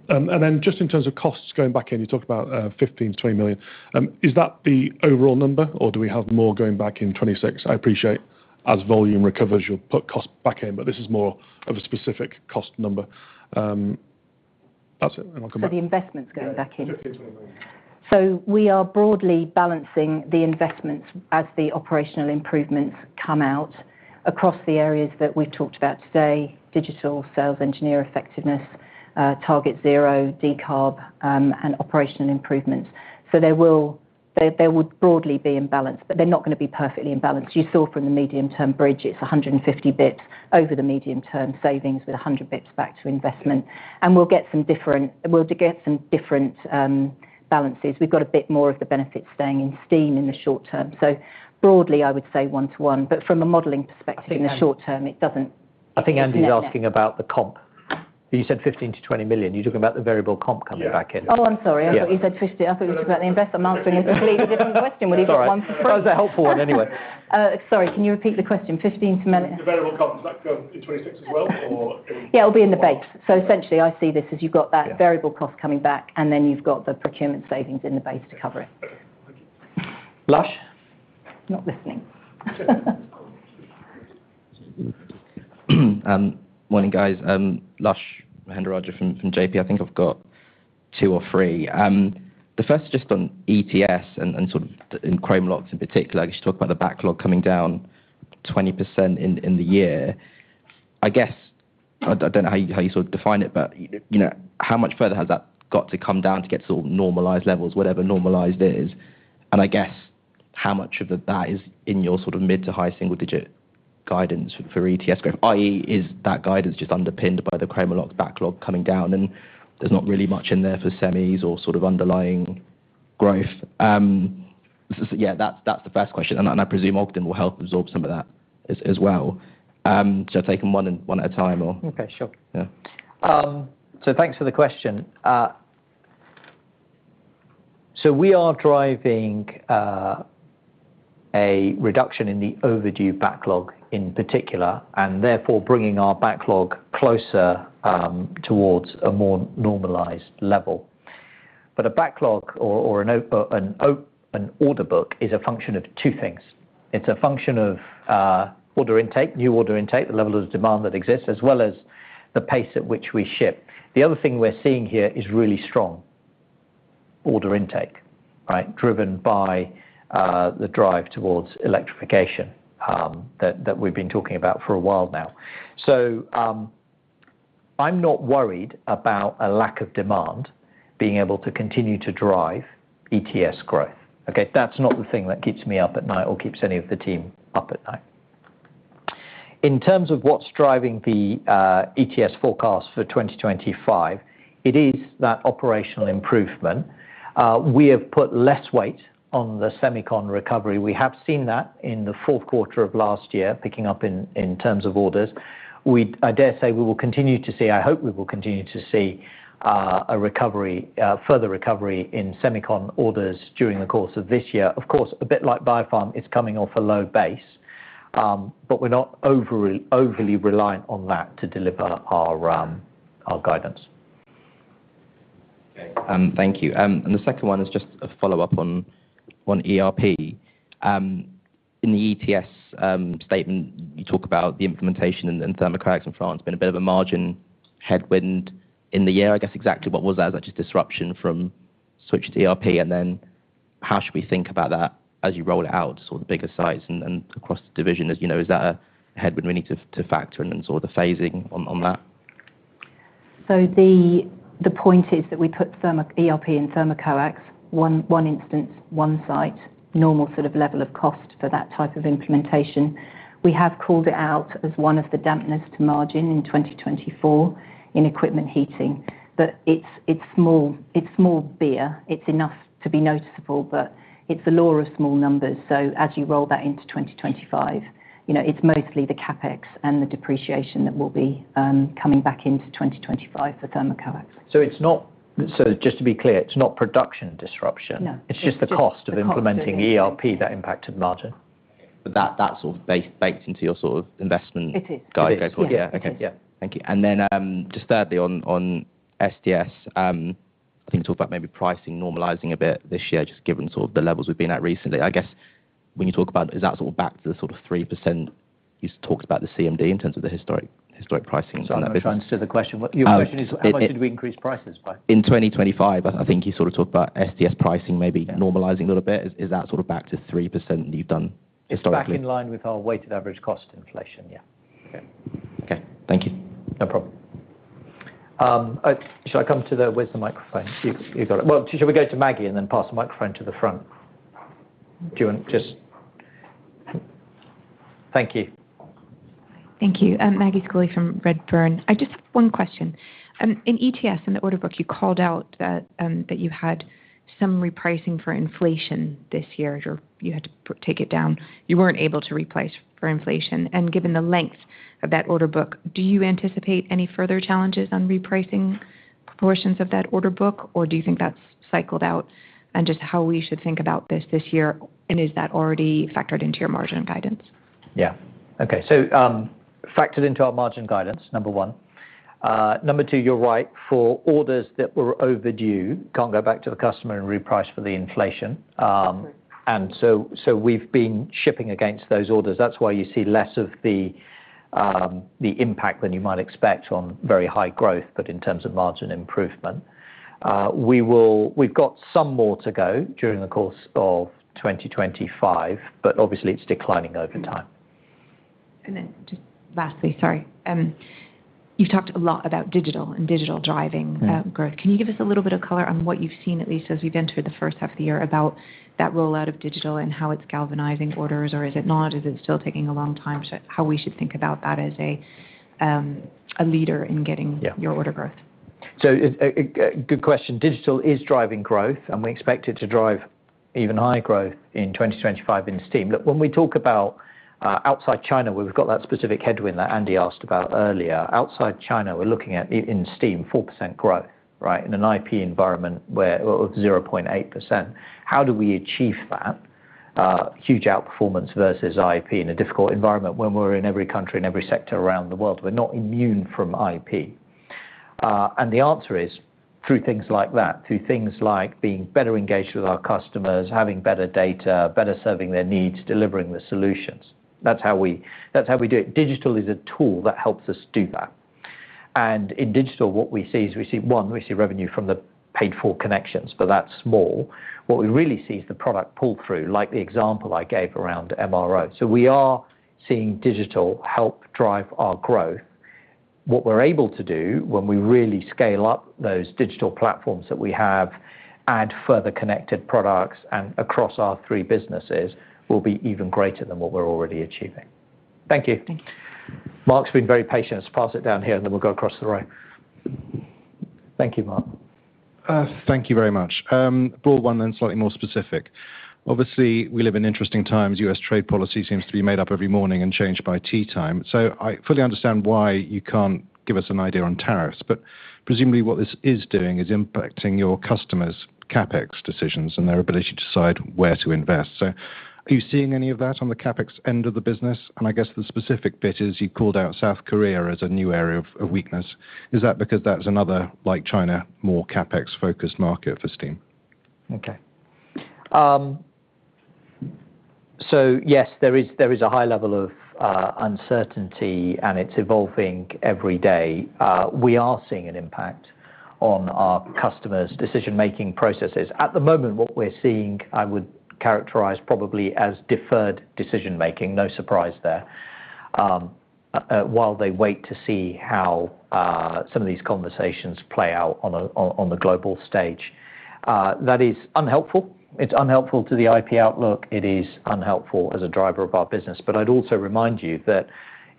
Just in terms of costs going back in, you talked about 15 million-20 million. Is that the overall number, or do we have more going back in 2026? I appreciate as volume recovers, you'll put costs back in, but this is more of a specific cost number. That's it, and I'll come back. The investments going back in. We are broadly balancing the investments as the operational improvements come out across the areas that we've talked about today: digital, sales, engineer effectiveness, target zero, decarb, and operational improvements. There will broadly be imbalance, but they're not going to be perfectly imbalanced. You saw from the medium-term bridge, it's 150 basis points over the medium-term savings with 100 basis points back to investment. We'll get some different balances. We've got a bit more of the benefits staying in steam in the short term. Broadly, I would say one-to-one. From a modeling perspective, in the short term, it does not. I think Andy is asking about the comp. You said 15 million-20 million. You are talking about the variable comp coming back in. Oh, I am sorry. I thought you said 15. I thought you were talking about the investment. I am answering a completely different question. What do you think? That was a helpful one anyway. Sorry, can you repeat the question? 15 to. The variable comp, is that going in 2026 as well, or? Yeah, it will be in the base. Essentially, I see this as you have got that variable cost coming back, and then you have got the procurement savings in the base to cover it. Okay. Thank you. Not listening. Morning, guys. Lush Mahindra Raja from JP. I think I have got two or three. The first is just on ETS and sort of in Chromalox in particular, because you talk about the backlog coming down 20% in the year. I guess, I do not know how you sort of define it, but how much further has that got to come down to get to normalized levels, whatever normalized is? I guess how much of that is in your sort of mid to high single-digit guidance for ETS growth? I.e., is that guidance just underpinned by the Chromalox backlog coming down, and there is not really much in there for semis or sort of underlying growth? Yeah, that is the first question. I presume Ogden will help absorb some of that as well. Take them one at a time, or. Okay, sure. Thanks for the question. We are driving a reduction in the overdue backlog in particular, and therefore bringing our backlog closer towards a more normalized level. A backlog or an order book is a function of two things. It is a function of order intake, new order intake, the level of demand that exists, as well as the pace at which we ship. The other thing we are seeing here is really strong order intake, right, driven by the drive towards electrification that we have been talking about for a while now. I am not worried about a lack of demand being able to continue to drive ETS growth. That is not the thing that keeps me up at night or keeps any of the team up at night. In terms of what is driving the ETS forecast for 2025, it is that operational improvement. We have put less weight on the Semicon recovery. We have seen that in the fourth quarter of last year, picking up in terms of orders. I dare say we will continue to see, I hope we will continue to see a further recovery in Semicon orders during the course of this year. Of course, a bit like BioPharma, it's coming off a low base, but we're not overly reliant on that to deliver our guidance. Okay. Thank you. The second one is just a follow-up on ERP. In the ETS statement, you talk about the implementation in Thermocoax in France, been a bit of a margin headwind in the year. I guess exactly what was that? Is that just disruption from switch to ERP? How should we think about that as you roll it out to sort of the bigger sites and across the division? Is that a headwind we need to factor in and sort of the phasing on that? The point is that we put ERP in Thermocoax, one instance, one site, normal sort of level of cost for that type of implementation. We have called it out as one of the dampness to margin in 2024 in equipment heating. It is small beer. It is enough to be noticeable, but it is the law of small numbers. As you roll that into 2025, it is mostly the CapEx and the depreciation that will be coming back into 2025 for Thermocoax. Just to be clear, it is not production disruption. It is just the cost of implementing ERP that impacted margin. That is sort of baked into your sort of investment guide. It is. Yeah. Okay. Yeah. Thank you. Thirdly, on SDS, I think you talked about maybe pricing normalizing a bit this year, just given sort of the levels we've been at recently. I guess when you talk about, is that sort of back to the sort of 3%? You talked about the CMD in terms of the historic pricing and that. Sorry, I'm trying to answer the question. Your question is, how much did we increase prices by? In 2025, I think you sort of talked about SDS pricing maybe normalizing a little bit. Is that sort of back to 3% that you've done historically? Back in line with our weighted average cost inflation. Yeah. Okay. Thank you. No problem. Shall I come to the where's the microphone? You've got it. Shall we go to Maggie and then pass the microphone to the front? Do you want just? Thank you. Thank you. I am Maggie Schooley from Redburn. I just have one question. In ETS and the order book, you called out that you had some repricing for inflation this year. You had to take it down. You were not able to reprice for inflation. Given the length of that order book, do you anticipate any further challenges on repricing portions of that order book, or do you think that has cycled out? Just how we should think about this this year, and is that already factored into your margin guidance? Yeah. Okay. Factored into our margin guidance, number one. Number two, you are right for orders that were overdue, cannot go back to the customer and reprice for the inflation. We have been shipping against those orders. That is why you see less of the impact than you might expect on very high growth, but in terms of margin improvement. We've got some more to go during the course of 2025, but obviously, it's declining over time. Just lastly, sorry. You've talked a lot about digital and digital driving growth. Can you give us a little bit of color on what you've seen, at least as we've entered the first half of the year, about that rollout of digital and how it's galvanizing orders, or is it not? Is it still taking a long time? How we should think about that as a leader in getting your order growth? Good question. Digital is driving growth, and we expect it to drive even higher growth in 2025 in steam. Look, when we talk about outside China, we've got that specific headwind that Andy asked about earlier. Outside China, we're looking at in steam, 4% growth, right, in an IP environment of 0.8%. How do we achieve that huge outperformance versus IP in a difficult environment when we're in every country, in every sector around the world? We're not immune from IP. The answer is through things like that, through things like being better engaged with our customers, having better data, better serving their needs, delivering the solutions. That's how we do it. Digital is a tool that helps us do that. In digital, what we see is we see, one, we see revenue from the paid-for connections, but that's small. What we really see is the product pull-through, like the example I gave around MRO. We are seeing digital help drive our growth. What we're able to do when we really scale up those digital platforms that we have, add further connected products across our three businesses, will be even greater than what we're already achieving. Thank you. Mark's been very patient. I'll pass it down here, and then we'll go across to the row. Thank you, Mark. Thank you very much. Broad one, then slightly more specific. Obviously, we live in interesting times. U.S. trade policy seems to be made up every morning and changed by tea time. I fully understand why you can't give us an idea on tariffs, but presumably what this is doing is impacting your customers' CapEx decisions and their ability to decide where to invest. Are you seeing any of that on the CapEx end of the business? I guess the specific bit is you called out South Korea as a new area of weakness. Is that because that's another, like China, more CapEx-focused market for steam? Okay. Yes, there is a high level of uncertainty, and it's evolving every day. We are seeing an impact on our customers' decision-making processes. At the moment, what we're seeing, I would characterize probably as deferred decision-making. No surprise there. While they wait to see how some of these conversations play out on the global stage, that is unhelpful. It is unhelpful to the IP outlook. It is unhelpful as a driver of our business. I would also remind you that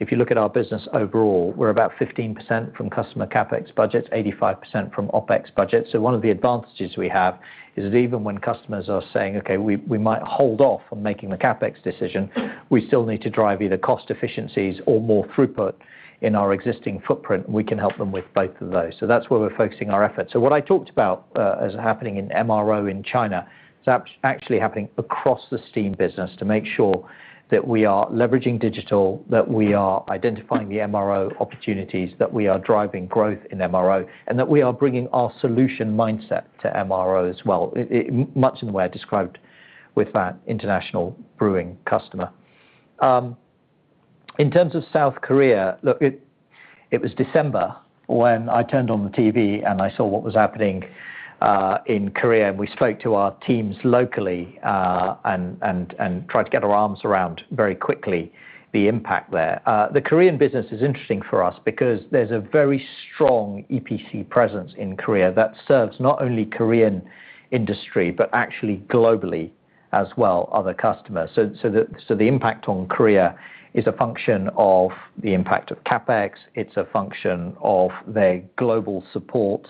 if you look at our business overall, we're about 15% from customer CapEx budgets, 85% from OpEx budgets. One of the advantages we have is that even when customers are saying, "Okay, we might hold off on making the CapEx decision, we still need to drive either cost efficiencies or more throughput in our existing footprint," we can help them with both of those. That is where we're focusing our efforts. What I talked about as happening in MRO in China is actually happening across the steam business to make sure that we are leveraging digital, that we are identifying the MRO opportunities, that we are driving growth in MRO, and that we are bringing our solution mindset to MRO as well, much in the way I described with that international brewing customer. In terms of South Korea, look, it was December when I turned on the TV and I saw what was happening in Korea, and we spoke to our teams locally and tried to get our arms around very quickly the impact there. The Korean business is interesting for us because there is a very strong EPC presence in Korea that serves not only Korean industry, but actually globally as well, other customers. The impact on Korea is a function of the impact of CapEx. It's a function of their global support,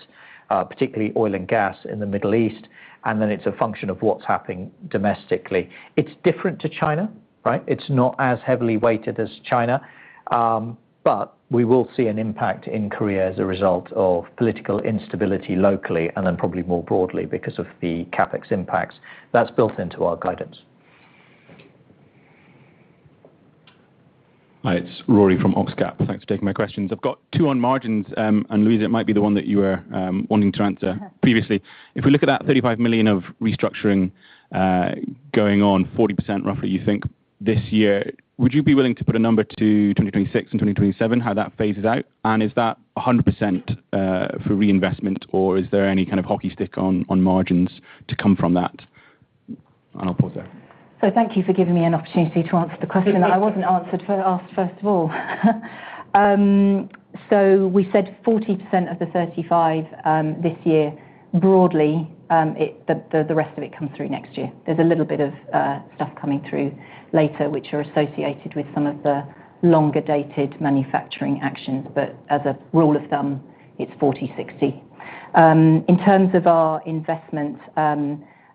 particularly oil and gas in the Middle East. It's a function of what's happening domestically. It's different to China, right? It's not as heavily weighted as China. We will see an impact in Korea as a result of political instability locally and probably more broadly because of the CapEx impacts. That's built into our guidance. Hi, it's Rory from Oxcap. Thanks for taking my questions. I've got two on margins, and Louisa, it might be the one that you were wanting to answer previously. If we look at that 35 million of restructuring going on, 40% roughly, you think, this year, would you be willing to put a number to 2026 and 2027, how that phases out? Is that 100% for reinvestment, or is there any kind of hockey stick on margins to come from that? I'll pause there. Thank you for giving me an opportunity to answer the question that I wasn't asked first of all. We said 40% of the 35 this year, broadly, the rest of it comes through next year. There's a little bit of stuff coming through later, which are associated with some of the longer-dated manufacturing actions. As a rule of thumb, it's 40/60. In terms of our investment,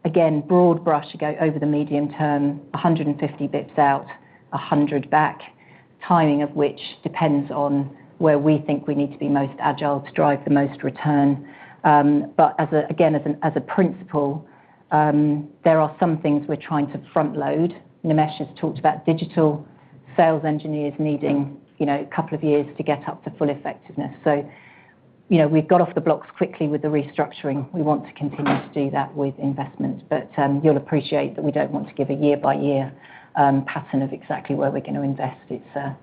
again, broad brush, over the medium term, 150 basis points out, 100 back, timing of which depends on where we think we need to be most agile to drive the most return. Again, as a principle, there are some things we're trying to front-load. Nimesh has talked about digital sales engineers needing a couple of years to get up to full effectiveness. We've got off the blocks quickly with the restructuring. We want to continue to do that with investment. You'll appreciate that we don't want to give a year-by-year pattern of exactly where we're going to invest.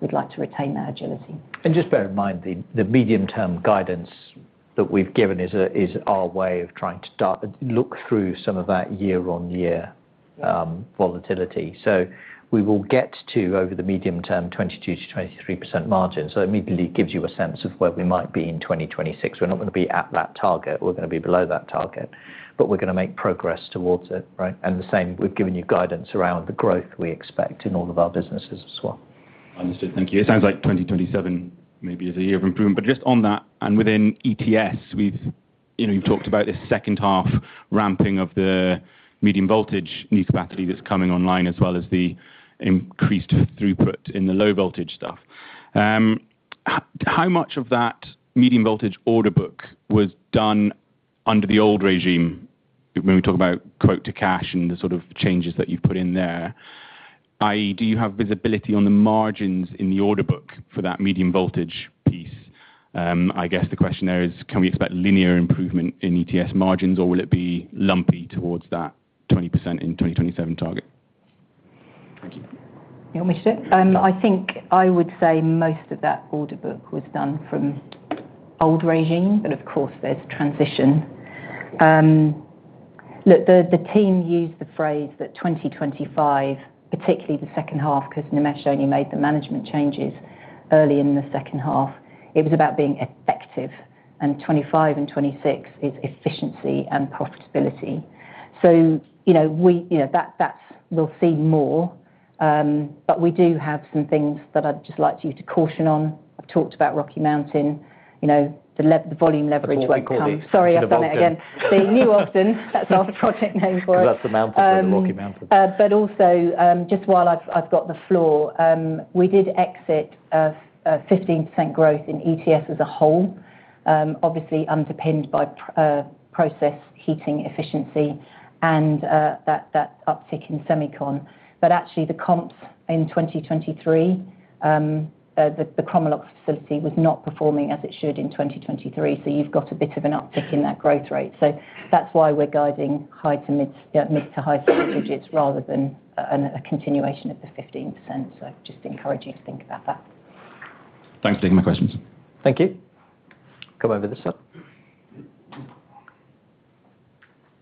We'd like to retain that agility. Just bear in mind, the medium-term guidance that we've given is our way of trying to look through some of that year-on-year volatility. We will get to, over the medium term, 22%-23% margin. It immediately gives you a sense of where we might be in 2026. We're not going to be at that target. We're going to be below that target, but we're going to make progress towards it, right? The same, we've given you guidance around the growth we expect in all of our businesses as well. Understood. Thank you. It sounds like 2027 maybe is a year of improvement. Just on that, and within ETS, we've talked about this second half ramping of the medium voltage new capacity that's coming online, as well as the increased throughput in the low voltage stuff. How much of that medium voltage order book was done under the old regime when we talk about quote to cash and the sort of changes that you've put in there? I.e., do you have visibility on the margins in the order book for that medium voltage piece? I guess the question there is, can we expect linear improvement in ETS margins, or will it be lumpy towards that 20% in 2027 target? Thank you. You want me to do it? I think I would say most of that order book was done from old regime, but of course, there's transition. Look, the team used the phrase that 2025, particularly the second half, because Nimesh only made the management changes early in the second half, it was about being effective. 25 and 26 is efficiency and profitability. We will see more, but we do have some things that I would just like you to caution on. I have talked about Rocky Mountain, the volume leverage when it comes. Sorry, I have done it again. The New Austin, that is our project name for it. That is the mountain and the Rocky Mountain. Also, just while I have got the floor, we did exit a 15% growth in ETS as a whole, obviously underpinned by process heating efficiency and that uptick in Semicon. Actually, the comps in 2023, the Chromalox facility was not performing as it should in 2023. You have got a bit of an uptick in that growth rate. That is why we are guiding to mid to high figures rather than a continuation of the 15%. Just encouraging to think about that. Thanks for taking my questions. Thank you. Come over this side.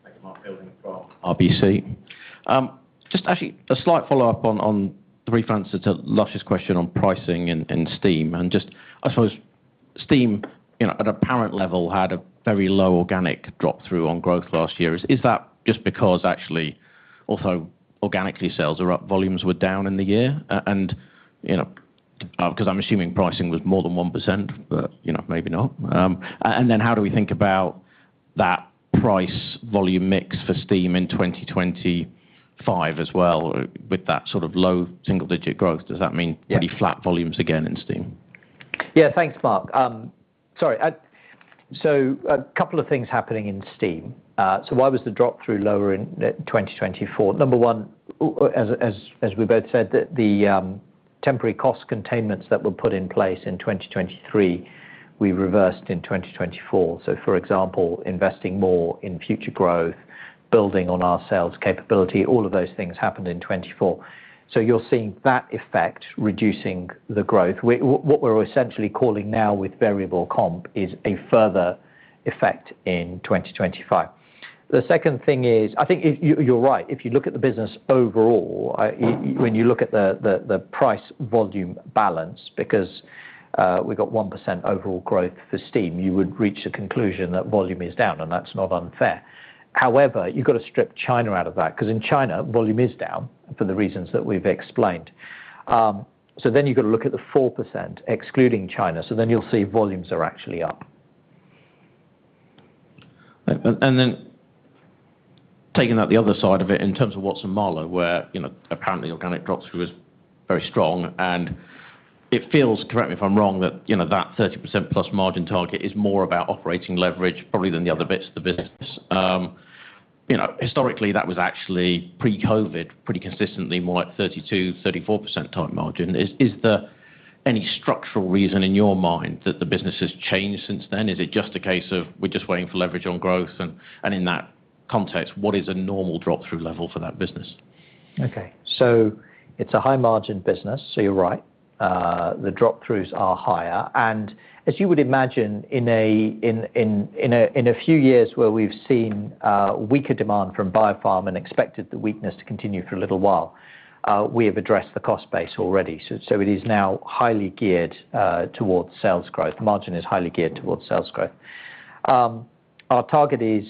Thank you, Mark from RBC. Just actually a slight follow-up on the brief answer to Louisa's question on pricing and steam. I suppose steam, at an apparent level, had a very low organic drop-through on growth last year. Is that just because actually also organically sales or volumes were down in the year? I am assuming pricing was more than 1%, but maybe not. How do we think about that price-volume mix for steam in 2025 as well with that sort of low single-digit growth? Does that mean pretty flat volumes again in steam? Yeah. Thanks, Mark. Sorry. A couple of things happening in steam. Why was the drop-through lower in 2024? Number one, as we both said, the temporary cost containment that were put in place in 2023, we reversed in 2024. For example, investing more in future growth, building on our sales capability, all of those things happened in 2024. You are seeing that effect reducing the growth. What we are essentially calling now with variable comp is a further effect in 2025. The second thing is, I think you are right. If you look at the business overall, when you look at the price-volume balance, because we have 1% overall growth for steam, you would reach the conclusion that volume is down, and that is not unfair. However, you have to strip China out of that because in China, volume is down for the reasons that we have explained. You have to look at the 4% excluding China. You'll see volumes are actually up. Taking that the other side of it in terms of Watson-Marlow, where apparently organic drop-through was very strong. It feels, correct me if I'm wrong, that that 30%+ margin target is more about operating leverage probably than the other bits of the business. Historically, that was actually pre-COVID, pretty consistently more at 32%-34% type margin. Is there any structural reason in your mind that the business has changed since then? Is it just a case of we're just waiting for leverage on growth? In that context, what is a normal drop-through level for that business? Okay. It's a high-margin business, so you're right. The drop-throughs are higher. As you would imagine, in a few years where we've seen weaker demand from BioPharma and expected the weakness to continue for a little while, we have addressed the cost base already. It is now highly geared towards sales growth. The margin is highly geared towards sales growth. Our target is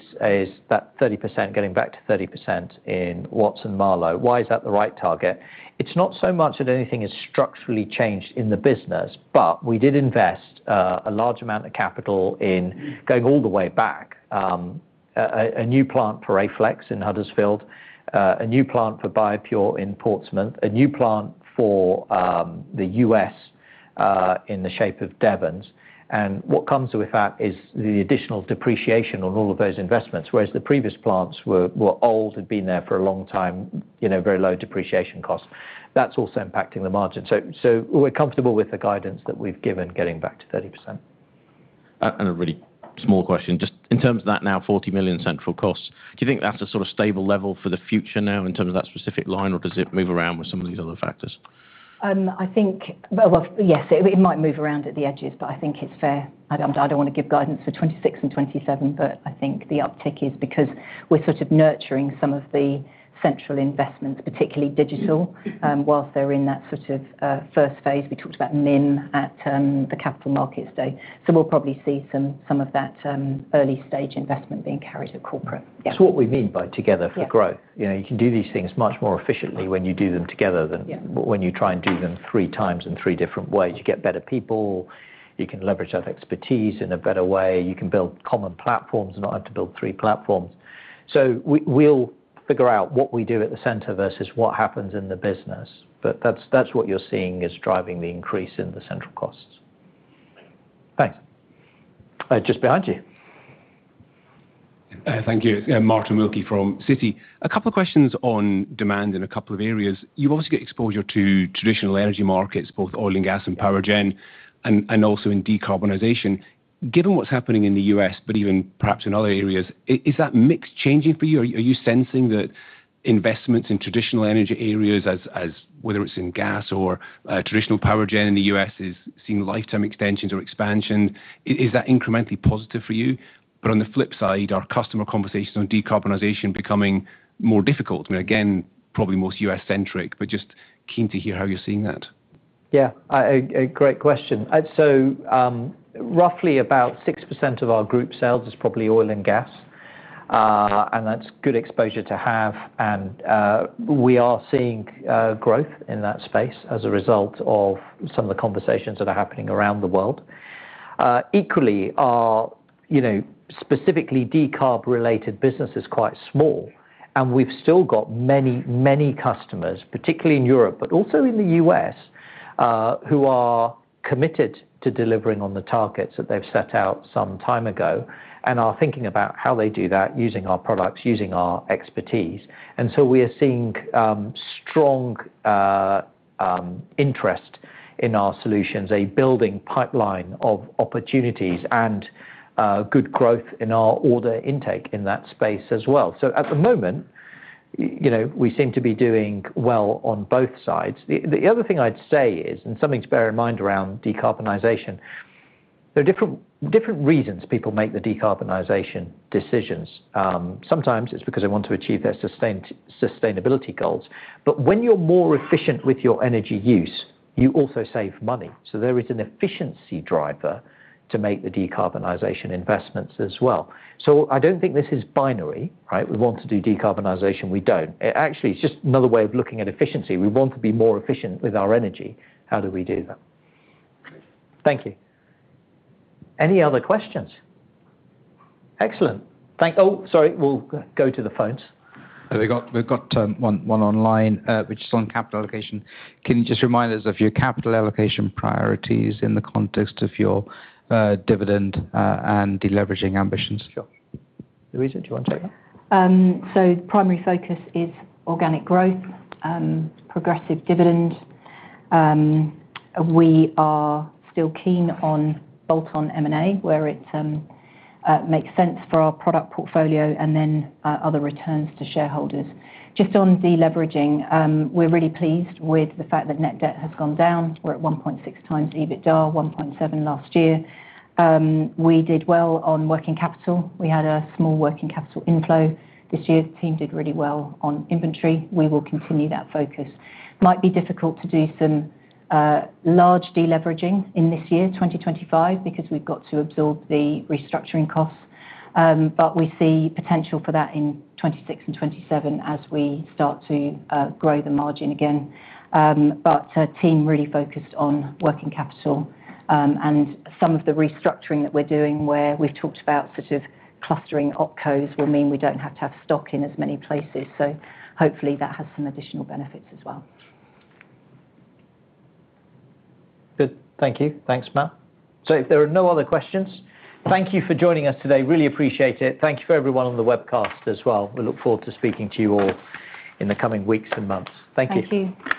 that 30%, getting back to 30% in Watson-Marlow. Why is that the right target? It's not so much that anything has structurally changed in the business, but we did invest a large amount of capital in going all the way back, a new plant for Aflex in Huddersfield, a new plant for BioPure in Portsmouth, a new plant for the U.S. in the shape of Devons. What comes with that is the additional depreciation on all of those investments, whereas the previous plants were old, had been there for a long time, very low depreciation costs. That is also impacting the margin. We are comfortable with the guidance that we have given getting back to 30%. A really small question. Just in terms of that now, 40 million central costs, do you think that is a sort of stable level for the future now in terms of that specific line, or does it move around with some of these other factors? I think, yes, it might move around at the edges, but I think it is fair. I do not want to give guidance for 2026 and 2027, but I think the uptick is because we are sort of nurturing some of the central investments, particularly digital, whilst they are in that sort of first phase. We talked about MIM at the capital markets day. We'll probably see some of that early-stage investment being carried to corporate. That's what we mean by together for growth. You can do these things much more efficiently when you do them together than when you try and do them three times in three different ways. You get better people. You can leverage that expertise in a better way. You can build common platforms and not have to build three platforms. We'll figure out what we do at the center versus what happens in the business. That's what you're seeing is driving the increase in the central costs. Thanks. Just behind you. Thank you. Martin Wilkie from Citi. A couple of questions on demand in a couple of areas. You obviously get exposure to traditional energy markets, both oil and gas and power gen, and also in decarbonisation. Given what's happening in the U.S., but even perhaps in other areas, is that mix changing for you? Are you sensing that investments in traditional energy areas, whether it's in gas or traditional power gen in the U.S., is seeing lifetime extensions or expansion? Is that incrementally positive for you? On the flip side, are customer conversations on decarbonisation becoming more difficult? I mean, again, probably most U.S.-centric, but just keen to hear how you're seeing that. Yeah. A great question. So roughly about 6% of our group sales is probably oil and gas. And that's good exposure to have. We are seeing growth in that space as a result of some of the conversations that are happening around the world. Equally, our specifically decarb-related business is quite small. We have still got many, many customers, particularly in Europe, but also in the U.S., who are committed to delivering on the targets that they have set out some time ago and are thinking about how they do that using our products, using our expertise. We are seeing strong interest in our solutions, a building pipeline of opportunities, and good growth in our order intake in that space as well. At the moment, we seem to be doing well on both sides. The other thing I would say is, and something to bear in mind around decarbonisation, there are different reasons people make the decarbonisation decisions. Sometimes it is because they want to achieve their sustainability goals. When you are more efficient with your energy use, you also save money. There is an efficiency driver to make the decarbonisation investments as well. I don't think this is binary, right? We want to do decarbonisation. We don't. Actually, it's just another way of looking at efficiency. We want to be more efficient with our energy. How do we do that? Thank you. Any other questions? Excellent. Oh, sorry. We'll go to the phones. We've got one online, which is on capital allocation. Can you just remind us of your capital allocation priorities in the context of your dividend and deleveraging ambitions? Sure. Louisa, do you want to take that? Primary focus is organic growth, progressive dividend. We are still keen on bolt-on M&A, where it makes sense for our product portfolio and then other returns to shareholders. Just on deleveraging, we're really pleased with the fact that net debt has gone down. We're at 1.6x EBITDA, 1.7x last year. We did well on working capital. We had a small working capital inflow this year. The team did really well on inventory. We will continue that focus. It might be difficult to do some large deleveraging in this year, 2025, because we have got to absorb the restructuring costs. We see potential for that in 2026 and 2027 as we start to grow the margin again. A team really focused on working capital. Some of the restructuring that we are doing, where we have talked about sort of clustering opcos, will mean we do not have to have stock in as many places. Hopefully that has some additional benefits as well. Good. Thank you. Thanks, Matt. If there are no other questions, thank you for joining us today. Really appreciate it. Thank you for everyone on the webcast as well. We look forward to speaking to you all in the coming weeks and months. Thank you.